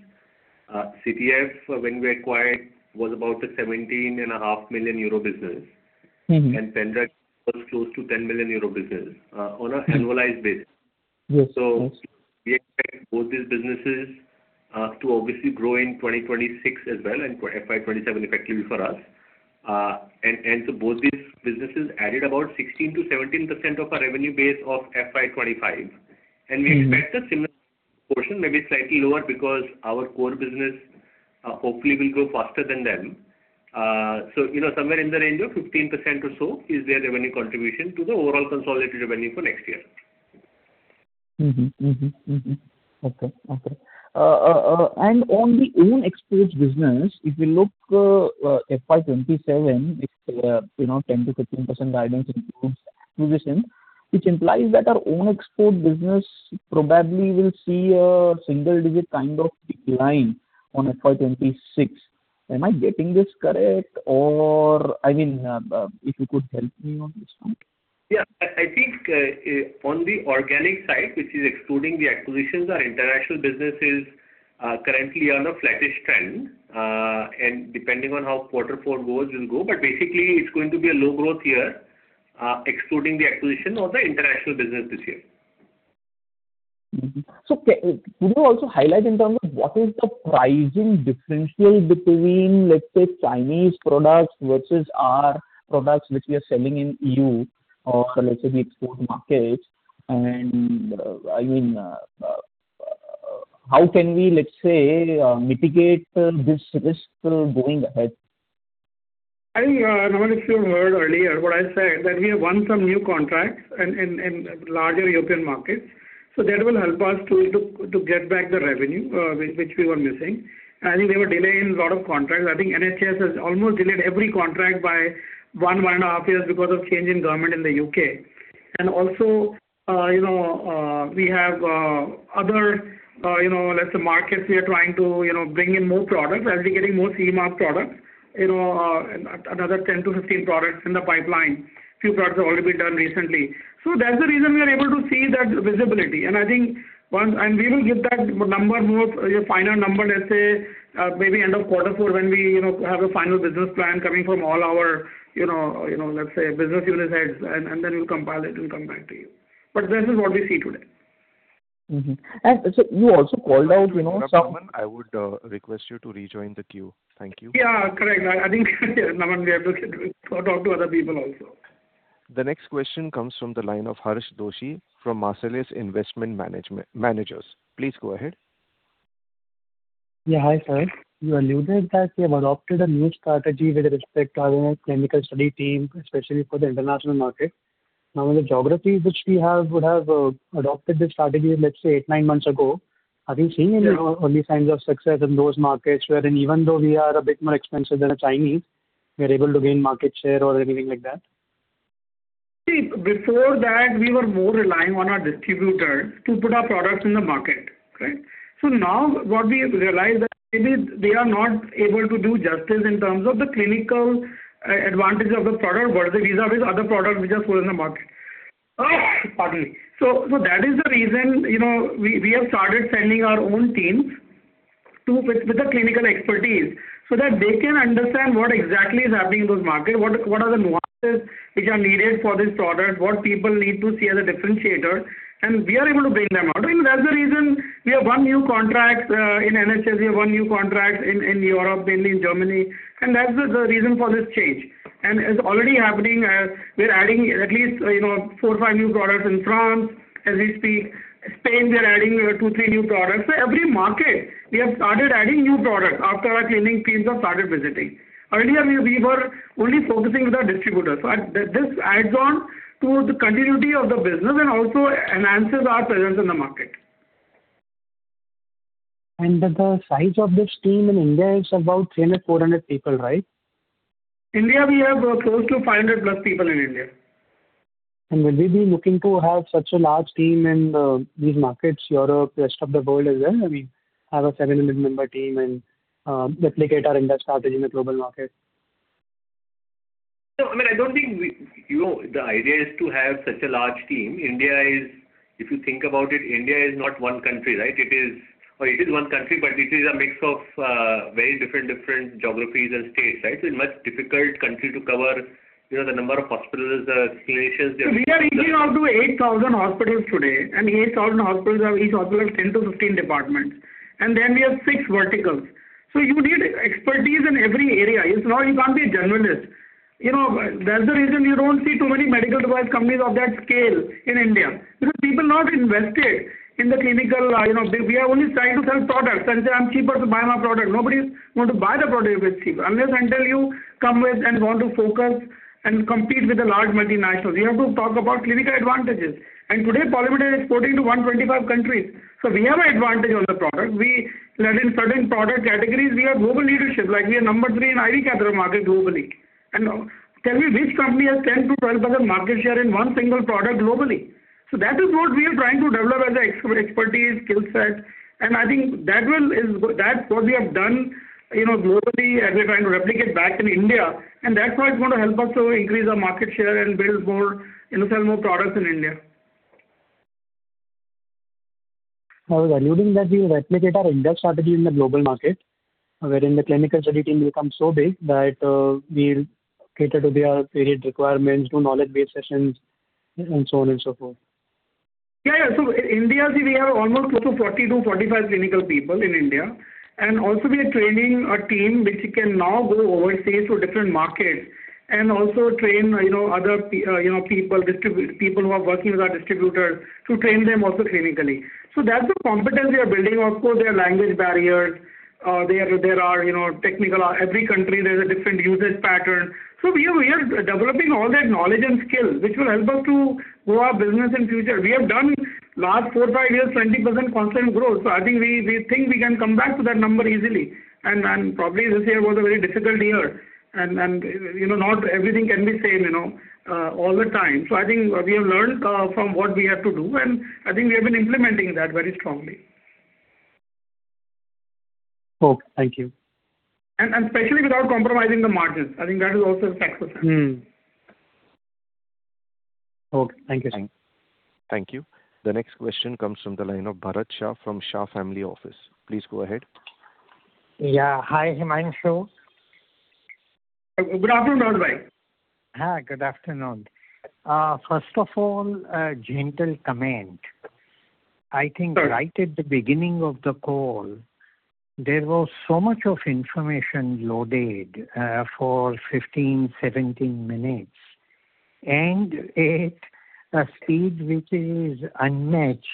CTFE, when we acquired, was about 17.5 million euro business. And Pendra was close to 10 million euro business on an annualized basis. So we expect both these businesses to obviously grow in 2026 as well and FY 2027 effectively for us. And so both these businesses added about 16%-17% of our revenue base of FY 2025. And we expect a similar portion, maybe slightly lower because our core business hopefully will grow faster than them. So somewhere in the range of 15% or so is their revenue contribution to the overall consolidated revenue for next year. Okay, okay. And on the OEM exports business, if we look FY 2027, 10%-15% guidance includes acquisitions, which implies that our own export business probably will see a single-digit kind of decline on FY 2026. Am I getting this correct? Or I mean, if you could help me on this one? Yeah. I think on the organic side, which is excluding the acquisitions, our international businesses currently are on a flattish trend. Depending on how quarter four goes, we'll go. Basically, it's going to be a low growth year excluding the acquisition of the international business this year. Could you also highlight in terms of what is the pricing differential between, let's say, Chinese products versus our products which we are selling in the EU or, let's say, the export market? I mean, how can we, let's say, mitigate this risk going ahead? I think, Raman, if you heard earlier what I said, that we have won some new contracts in larger European markets. So that will help us to get back the revenue, which we were missing. I think there were delays in a lot of contracts. I think NHS has almost delayed every contract by 1-1.5 years because of change in government in the U.K. And also, we have other, let's say, markets we are trying to bring in more products as we're getting more CE Mark products, another 10-15 products in the pipeline. A few products have already been done recently. So that's the reason we are able to see that visibility. I think once and we will give that number, your final number, let's say, maybe end of quarter four when we have a final business plan coming from all our, let's say, business unit heads. Then we'll compile it and come back to you. But this is what we see today. And so you also called out some. Raman, I would request you to rejoin the queue. Thank you. Yeah, correct. I think, Raman, we have to talk to other people also. The next question comes from the line of Harish Doshi from Marcellus Investment Managers. Please go ahead. Yeah, hi, sir. You alluded that you have adopted a new strategy with respect to having a clinical study team, especially for the international market. Now, in the geographies which we would have adopted this strategy, let's say, 8-9 months ago, have you seen any early signs of success in those markets where, even though we are a bit more expensive than the Chinese, we are able to gain market share or anything like that? See, before that, we were more relying on our distributors to put our products in the market, right? So now what we realize is that maybe they are not able to do justice in terms of the clinical advantage of the product versus these other products which are sold in the market. Pardon me. So that is the reason we have started sending our own teams with the clinical expertise so that they can understand what exactly is happening in those markets, what are the nuances which are needed for these products, what people need to see as a differentiator. And we are able to bring them out. And that's the reason we have won new contracts in NHS. We have won new contracts in Europe, mainly in Germany. And that's the reason for this change. And it's already happening. We're adding at least 4-5 new products in France as we speak. Spain, we are adding 2-3 new products. So every market, we have started adding new products after our clinical teams have started visiting. Earlier, we were only focusing with our distributors. So this adds on to the continuity of the business and also enhances our presence in the market. The size of this team in India is about 300-400 people, right? India, we have close to 500+ people in India. Will we be looking to have such a large team in these markets, Europe, the rest of the world as well? I mean, have a 700-member team and replicate our industry strategy in the global market? No, I mean, I don't think the idea is to have such a large team. If you think about it, India is not one country, right? Or it is one country, but it is a mix of very different, different geographies and states, right? So it's a much difficult country to cover the number of hospitals, clinicians. We are reaching out to 8,000 hospitals today. 8,000 hospitals, each hospital has 10-15 departments. Then we have six verticals. You need expertise in every area. You can't be a generalist. That's the reason you don't see too many medical device companies of that scale in India because people are not invested in the clinical. We are only trying to sell products and say, "I'm cheaper to buy my product." Nobody is going to buy the product if it's cheaper unless until you come with and want to focus and compete with the large multinationals. You have to talk about clinical advantages. Today, Poly Medicure is exporting to 125 countries. So we have an advantage on the product. In certain product categories, we have global leadership. We are number three in IV catheter market globally. Tell me which company has 10%-12% market share in one single product globally? So that is what we are trying to develop as an expertise, skill set. And I think that's what we have done globally as we are trying to replicate back in India. And that's how it's going to help us to increase our market share and build more, sell more products in India. I was alluding that we replicate our industry strategy in the global market wherein the clinical study team will become so big that we will cater to their period requirements, do knowledge-based sessions, and so on and so forth. Yeah, yeah. So in India, see, we have almost close to 40-45 clinical people in India. And also, we are training a team which can now go overseas to different markets and also train other people, people who are working with our distributors to train them also clinically. So that's the competence we are building. Of course, there are language barriers. There are technical, every country, there's a different usage pattern. So we are developing all that knowledge and skill which will help us to grow our business in the future. We have done last 4-5 years, 20% constant growth. So I think we think we can come back to that number easily. And probably this year was a very difficult year. And not everything can be the same all the time. So I think we have learned from what we have to do. I think we have been implementing that very strongly. Okay. Thank you. Especially without compromising the margins. I think that is also a success. Okay. Thank you, sir. Thank you. The next question comes from the line of Bharat Shah from Shah Family Office. Please go ahead. Yeah. Hi, Himanshu. Good afternoon, Rahul Gautam. Hi. Good afternoon. First of all, a gentle comment. I think right at the beginning of the call, there was so much information loaded for 15-17 minutes. And at a speed which is unmatched,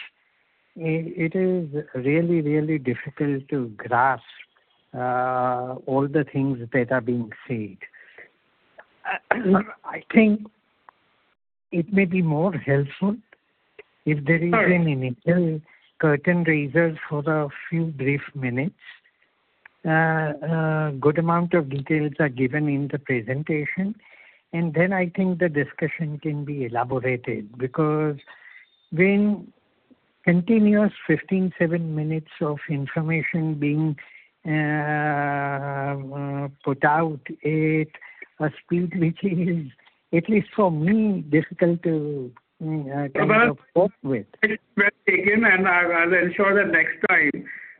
it is really, really difficult to grasp all the things that are being said. I think it may be more helpful if there is an initial curtain raiser for a few brief minutes. A good amount of details are given in the presentation. And then I think the discussion can be elaborated because when continuous 15-17 minutes of information being put out at a speed which is, at least for me, difficult to kind of cope with. Well, taken. I'll ensure that next time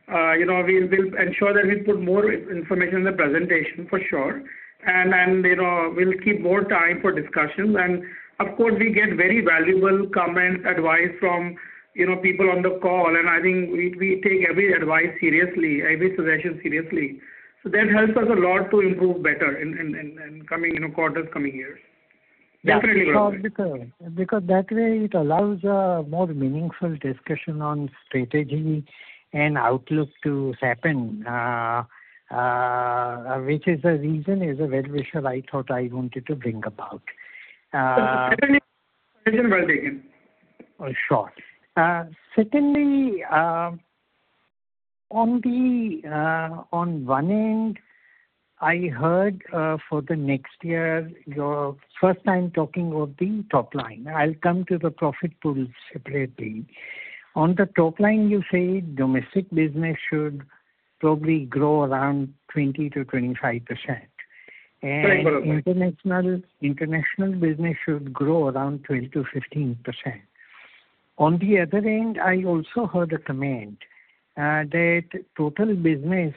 we'll ensure that we put more information in the presentation for sure. We'll keep more time for discussions. Of course, we get very valuable comments, advice from people on the call. I think we take every advice seriously, every suggestion seriously. So that helps us a lot to improve better in quarters, coming years. Definitely will help. Yeah. Because that way, it allows a more meaningful discussion on strategy and outlook to happen, which is a reason, as a well-wisher I thought I wanted to bring about. Secondly, the question is well taken. Sure. Secondly, on one end, I heard for the next year, your first time talking about the top line. I'll come to the profit pool separately. On the top line, you say domestic business should probably grow around 20%-25%. And international business should grow around 12%-15%. On the other end, I also heard a comment that total business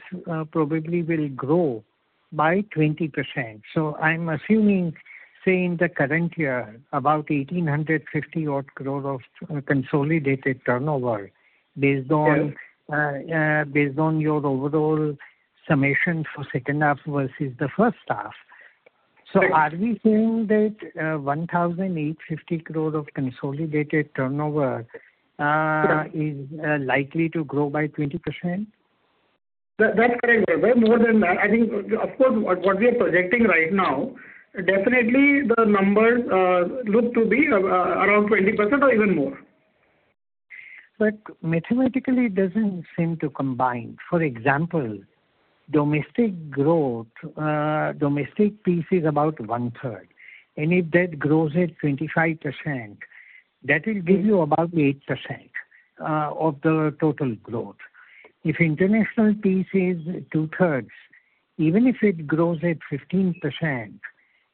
probably will grow by 20%. So I'm assuming, say, in the current year, about 1,850-odd crore of consolidated turnover based on your overall summation for second half versus the first half. So are we saying that 1,850 crore of consolidated turnover is likely to grow by 20%? That's correct. Well, more than that, I think of course, what we are projecting right now, definitely, the numbers look to be around 20% or even more. Mathematically, it doesn't seem to combine. For example, domestic growth, domestic piece is about one-third. And if that grows at 25%, that will give you about 8% of the total growth. If international piece is two-thirds, even if it grows at 15%, then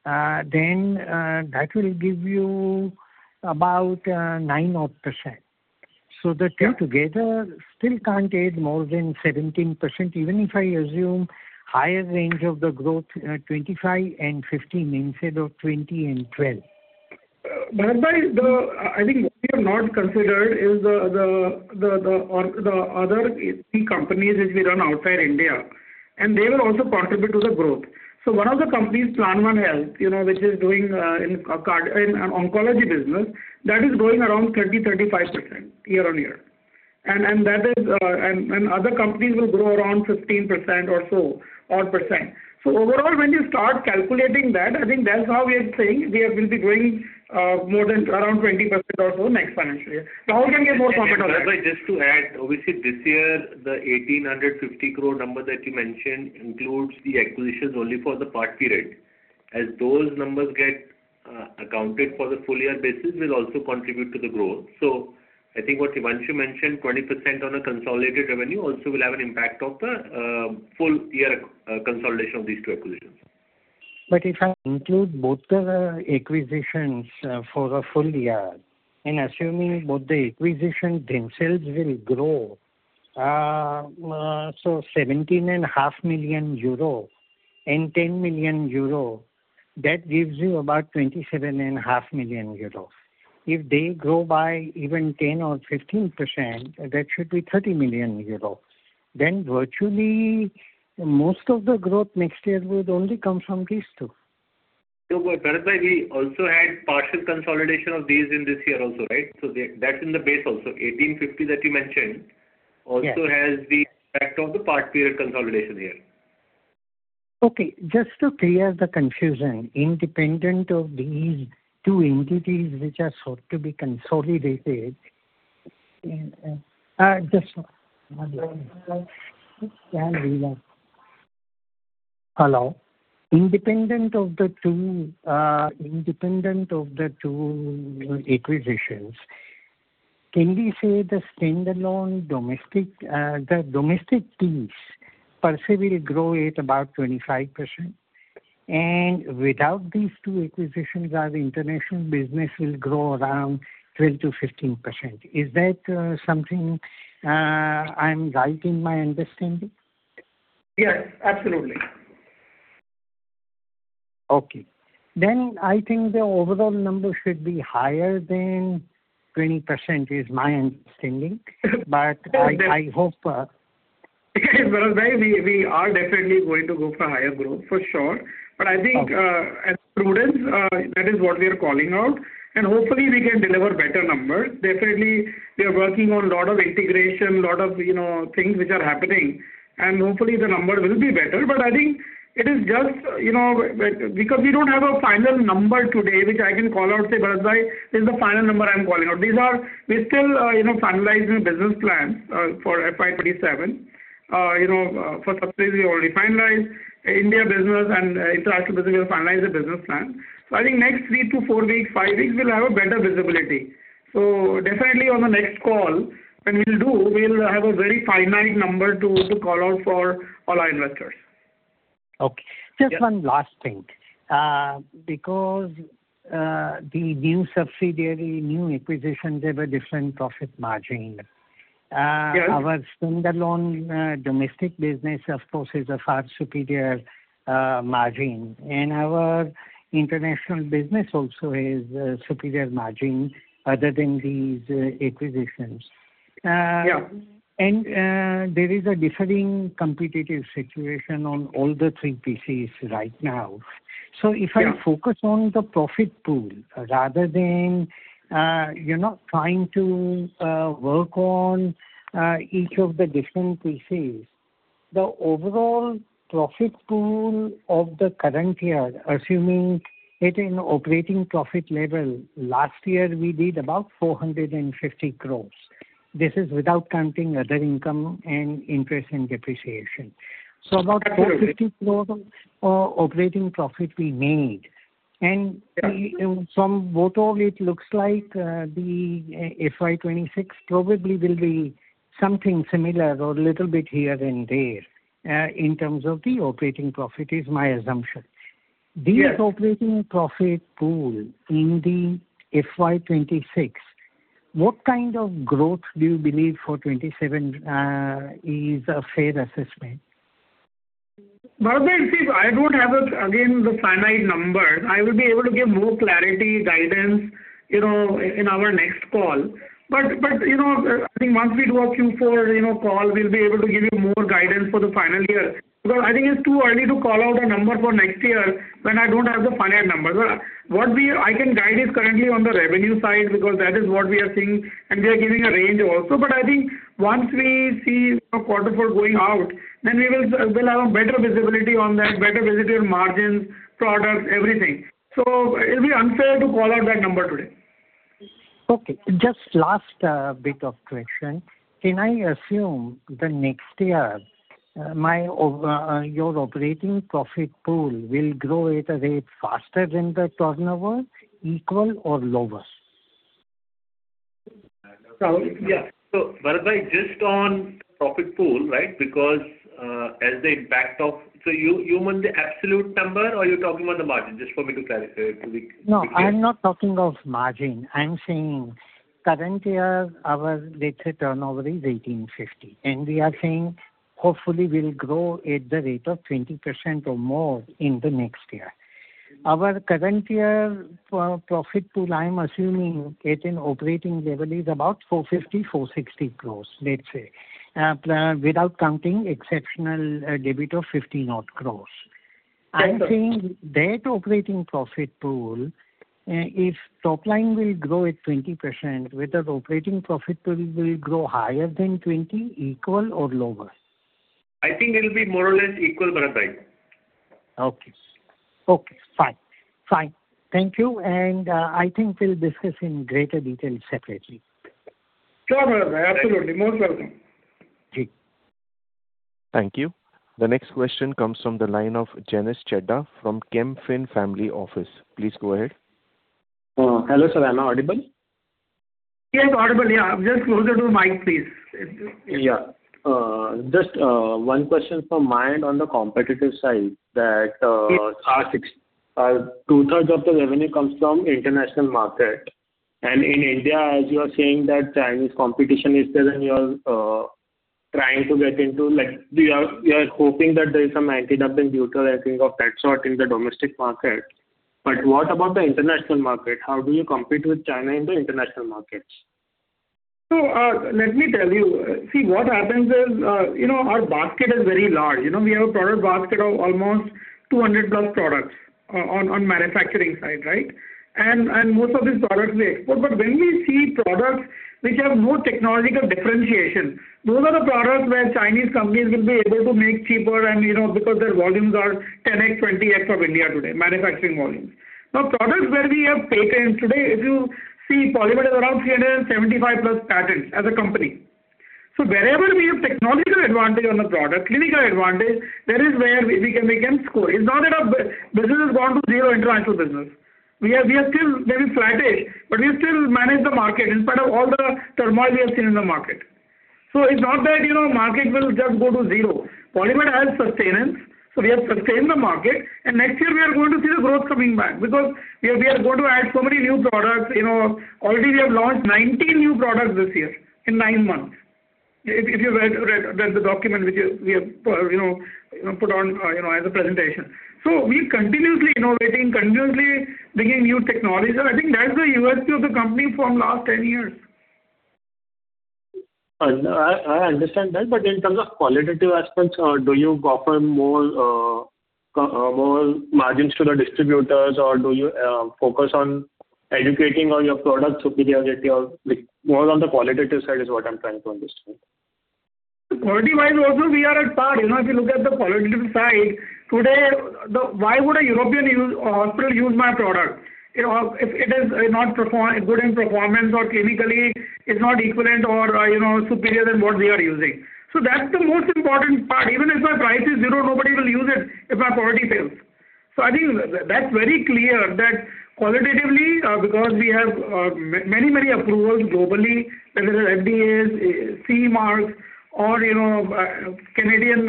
that will give you about 9-odd%. The two together still can't add more than 17% even if I assume higher range of the growth 25 and 15 instead of 20 and 12. Bharat Bhai, I think what we have not considered is the other three companies which we run outside India. They will also contribute to the growth. One of the companies, Plan One Health, which is doing an oncology business, that is growing around 30%-35% year-on-year. And that is and other companies will grow around 15% or so-odd percent. Overall, when you start calculating that, I think that's how we are saying we will be growing more than around 20% or so next financial year. Rahul can give more comment on that. Bharat Bhai, just to add, obviously, this year, the 1,850 crore number that you mentioned includes the acquisitions only for the part period. As those numbers get accounted for the full-year basis, will also contribute to the growth. So I think what Himanshu mentioned, 20% on a consolidated revenue also will have an impact of the full-year consolidation of these two acquisitions. But if I include both the acquisitions for the full year and assuming both the acquisitions themselves will grow, so 17.5 million euro and 10 million euro, that gives you about 27.5 million euro. If they grow by even 10% or 15%, that should be 30 million euro. Then virtually, most of the growth next year would only come from these two. No, Bharat Bhai, we also had partial consolidation of these in this year also, right? So that's in the base also. 1,850 that you mentioned also has the impact of the part-period consolidation here. Okay. Just to clear the confusion, independent of these two entities which are sought to be consolidated, just one second. Hello? Independent of the two acquisitions, can we say the standalone domestic piece per se will grow at about 25%? Without these two acquisitions, our international business will grow around 12%-15%. Is that something I'm right in my understanding? Yes, absolutely. Okay. Then I think the overall number should be higher than 20% is my understanding. But I hope. Bharat Bhai, we are definitely going to go for higher growth for sure. But I think as prudence, that is what we are calling out. And hopefully, we can deliver better numbers. Definitely, we are working on a lot of integration, a lot of things which are happening. And hopefully, the number will be better. But I think it is just because we don't have a final number today which I can call out, say, "Bharat Bhai, this is the final number I'm calling out." We're still finalizing business plans for FY 2027. For subsidies, we already finalized. India business and international business, we have finalized the business plan. So I think next 3-4 weeks, 5 weeks, we'll have a better visibility. So definitely on the next call when we'll do, we'll have a very finite number to call out for all our investors. Okay. Just one last thing because the new subsidiary, new acquisitions, they have a different profit margin. Our standalone domestic business, of course, has a far superior margin. And our international business also has a superior margin other than these acquisitions. And there is a differing competitive situation on all the three pieces right now. So if I focus on the profit pool rather than trying to work on each of the different pieces, the overall profit pool of the current year, assuming it in operating profit level, last year, we did about 450 crore. This is without counting other income and interest and depreciation. So about 450 crore of operating profit we made. And from what all it looks like, the FY 2026 probably will be something similar or a little bit here and there in terms of the operating profit is my assumption. This operating profit pool in the FY 2026, what kind of growth do you believe for '27 is a fair assessment? Bharat Bhai, see, I don't have again the finite number. I will be able to give more clarity, guidance in our next call. But I think once we do a Q4 call, we'll be able to give you more guidance for the final year because I think it's too early to call out a number for next year when I don't have the finite number. But what I can guide is currently on the revenue side because that is what we are seeing. And we are giving a range also. But I think once we see quarter four going out, then we will have a better visibility on that, better visibility on margins, products, everything. So it'll be unfair to call out that number today. Okay. Just last bit of question. Can I assume the next year, your operating profit pool will grow at a rate faster than the turnover, equal, or lower? Yeah. So Bharat Bhai, just on profit pool, right, because as the impact of so you mean the absolute number or you're talking about the margin? Just for me to clarify it. No, I'm not talking of margin. I'm saying current year, our let's say turnover is 1,850 crores. We are saying hopefully, we'll grow at the rate of 20% or more in the next year. Our current year profit pool, I'm assuming it in operating level is about 450-460 crores, let's say, without counting exceptional debit of 15-odd crores. I'm saying that operating profit pool, if top line will grow at 20%, whether operating profit pool will grow higher than 20, equal, or lower? I think it'll be more or less equal, Bharat Bhai. Okay. Okay. Fine. Fine. Thank you. And I think we'll discuss in greater detail separately. Sure, Bharat Bhai. Absolutely. Most welcome. Thank you. The next question comes from the line of Janish Chheda from Kempfin Family Office. Please go ahead. Hello, sir. Am I audible? Yes, audible. Yeah. Just closer to the mic, please. Yeah. Just one question from my end on the competitive side that two-thirds of the revenue comes from international market. In India, as you are saying that Chinese competition is there and you are trying to get into you are hoping that there is some anti-dumping duties, I think, of that sort in the domestic market. But what about the international market? How do you compete with China in the international markets? So let me tell you. See, what happens is our basket is very large. We have a product basket of almost 200+ products on manufacturing side, right? And most of these products, we export. But when we see products which have no technological differentiation, those are the products where Chinese companies will be able to make cheaper because their volumes are 10x, 20x of India today, manufacturing volumes. Now, products where we have patents today, if you see, PolyMed is around 375+ patents as a company. So wherever we have technological advantage on the product, clinical advantage, that is where we can score. It's not that our business has gone to zero international business. We are still maybe flattish, but we still manage the market in spite of all the turmoil we have seen in the market. So it's not that market will just go to zero. Poly Medicure has sustenance. So we have sustained the market. Next year, we are going to see the growth coming back because we are going to add so many new products. Already, we have launched 19 new products this year in nine months, if you read the document which we have put on as a presentation. So we are continuously innovating, continuously bringing new technology. So I think that's the USP of the company from last 10 years. I understand that. But in terms of qualitative aspects, do you offer more margins to the distributors, or do you focus on educating all your products superiority? More on the qualitative side is what I'm trying to understand. Quality-wise also, we are at par. If you look at the qualitative side, today, why would a European hospital use my product if it is not good in performance or clinically is not equivalent or superior than what we are using? So that's the most important part. Even if my price is zero, nobody will use it if my quality fails. So I think that's very clear that qualitatively, because we have many, many approvals globally, whether FDAs, CE Marks, or Canadian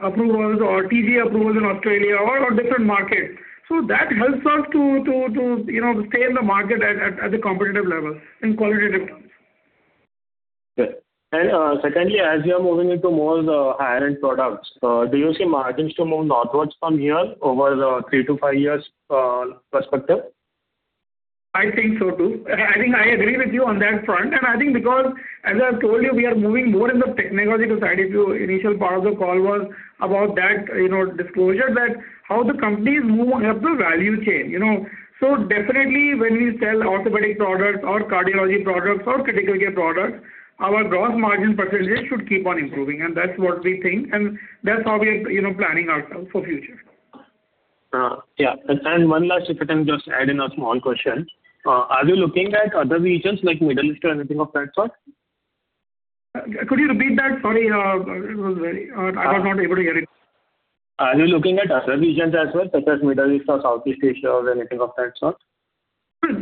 approvals or TGA approvals in Australia or different markets. So that helps us to stay in the market at the competitive level in qualitative terms. Yes. And secondly, as you are moving into more higher-end products, do you see margins to move northward from here over the 3-5 years perspective? I think so too. I think I agree with you on that front. And I think because, as I have told you, we are moving more in the technological side. If your initial part of the call was about that disclosure, that how the companies move up the value chain. So definitely, when we sell orthopedic products or cardiology products or critical care products, our gross margin percentage should keep on improving. And that's what we think. And that's how we are planning ourselves for future. Yeah. And one last, if I can just add in a small question. Are you looking at other regions like Middle East or anything of that sort? Could you repeat that? Sorry. I was not able to hear it. Are you looking at other regions as well such as Middle East or Southeast Asia or anything of that sort?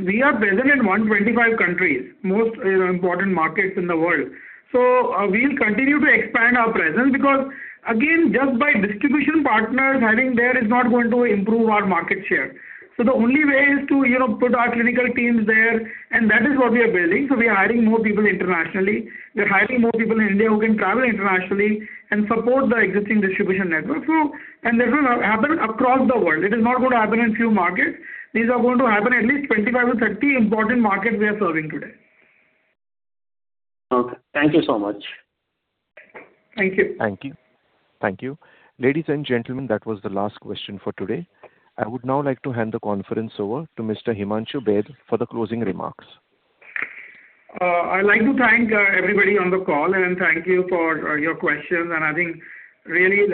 We are present in 125 countries, most important markets in the world. So we'll continue to expand our presence because, again, just by distribution partners having there is not going to improve our market share. So the only way is to put our clinical teams there. And that is what we are building. So we are hiring more people internationally. We are hiring more people in India who can travel internationally and support the existing distribution network. And that will happen across the world. It is not going to happen in few markets. These are going to happen at least 25-30 important markets we are serving today. Okay. Thank you so much. Thank you. Thank you. Thank you. Ladies and gentlemen, that was the last question for today. I would now like to hand the conference over to Mr. Himanshu Baid for the closing remarks. I'd like to thank everybody on the call and thank you for your questions. I think really,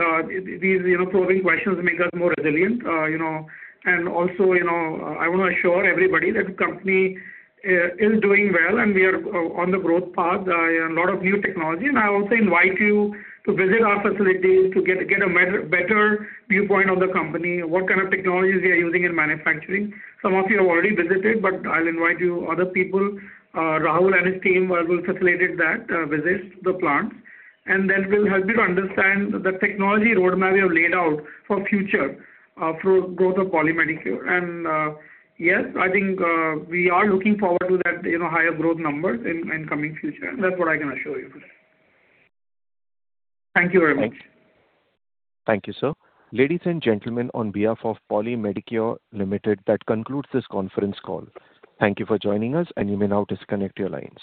these probing questions make us more resilient. Also, I want to assure everybody that the company is doing well, and we are on the growth path, a lot of new technology. I also invite you to visit our facilities to get a better viewpoint on the company, what kind of technologies we are using in manufacturing. Some of you have already visited, but I'll invite you, other people. Rahul and his team will facilitate that visit to the plants. That will help you to understand the technology roadmap we have laid out for future growth of Poly Medicure. Yes, I think we are looking forward to that higher growth numbers in coming future. That's what I can assure you for today. Thank you very much. Thank you. Thank you, sir. Ladies and gentlemen, on behalf of Poly Medicure Limited, that concludes this conference call. Thank you for joining us, and you may now disconnect your lines.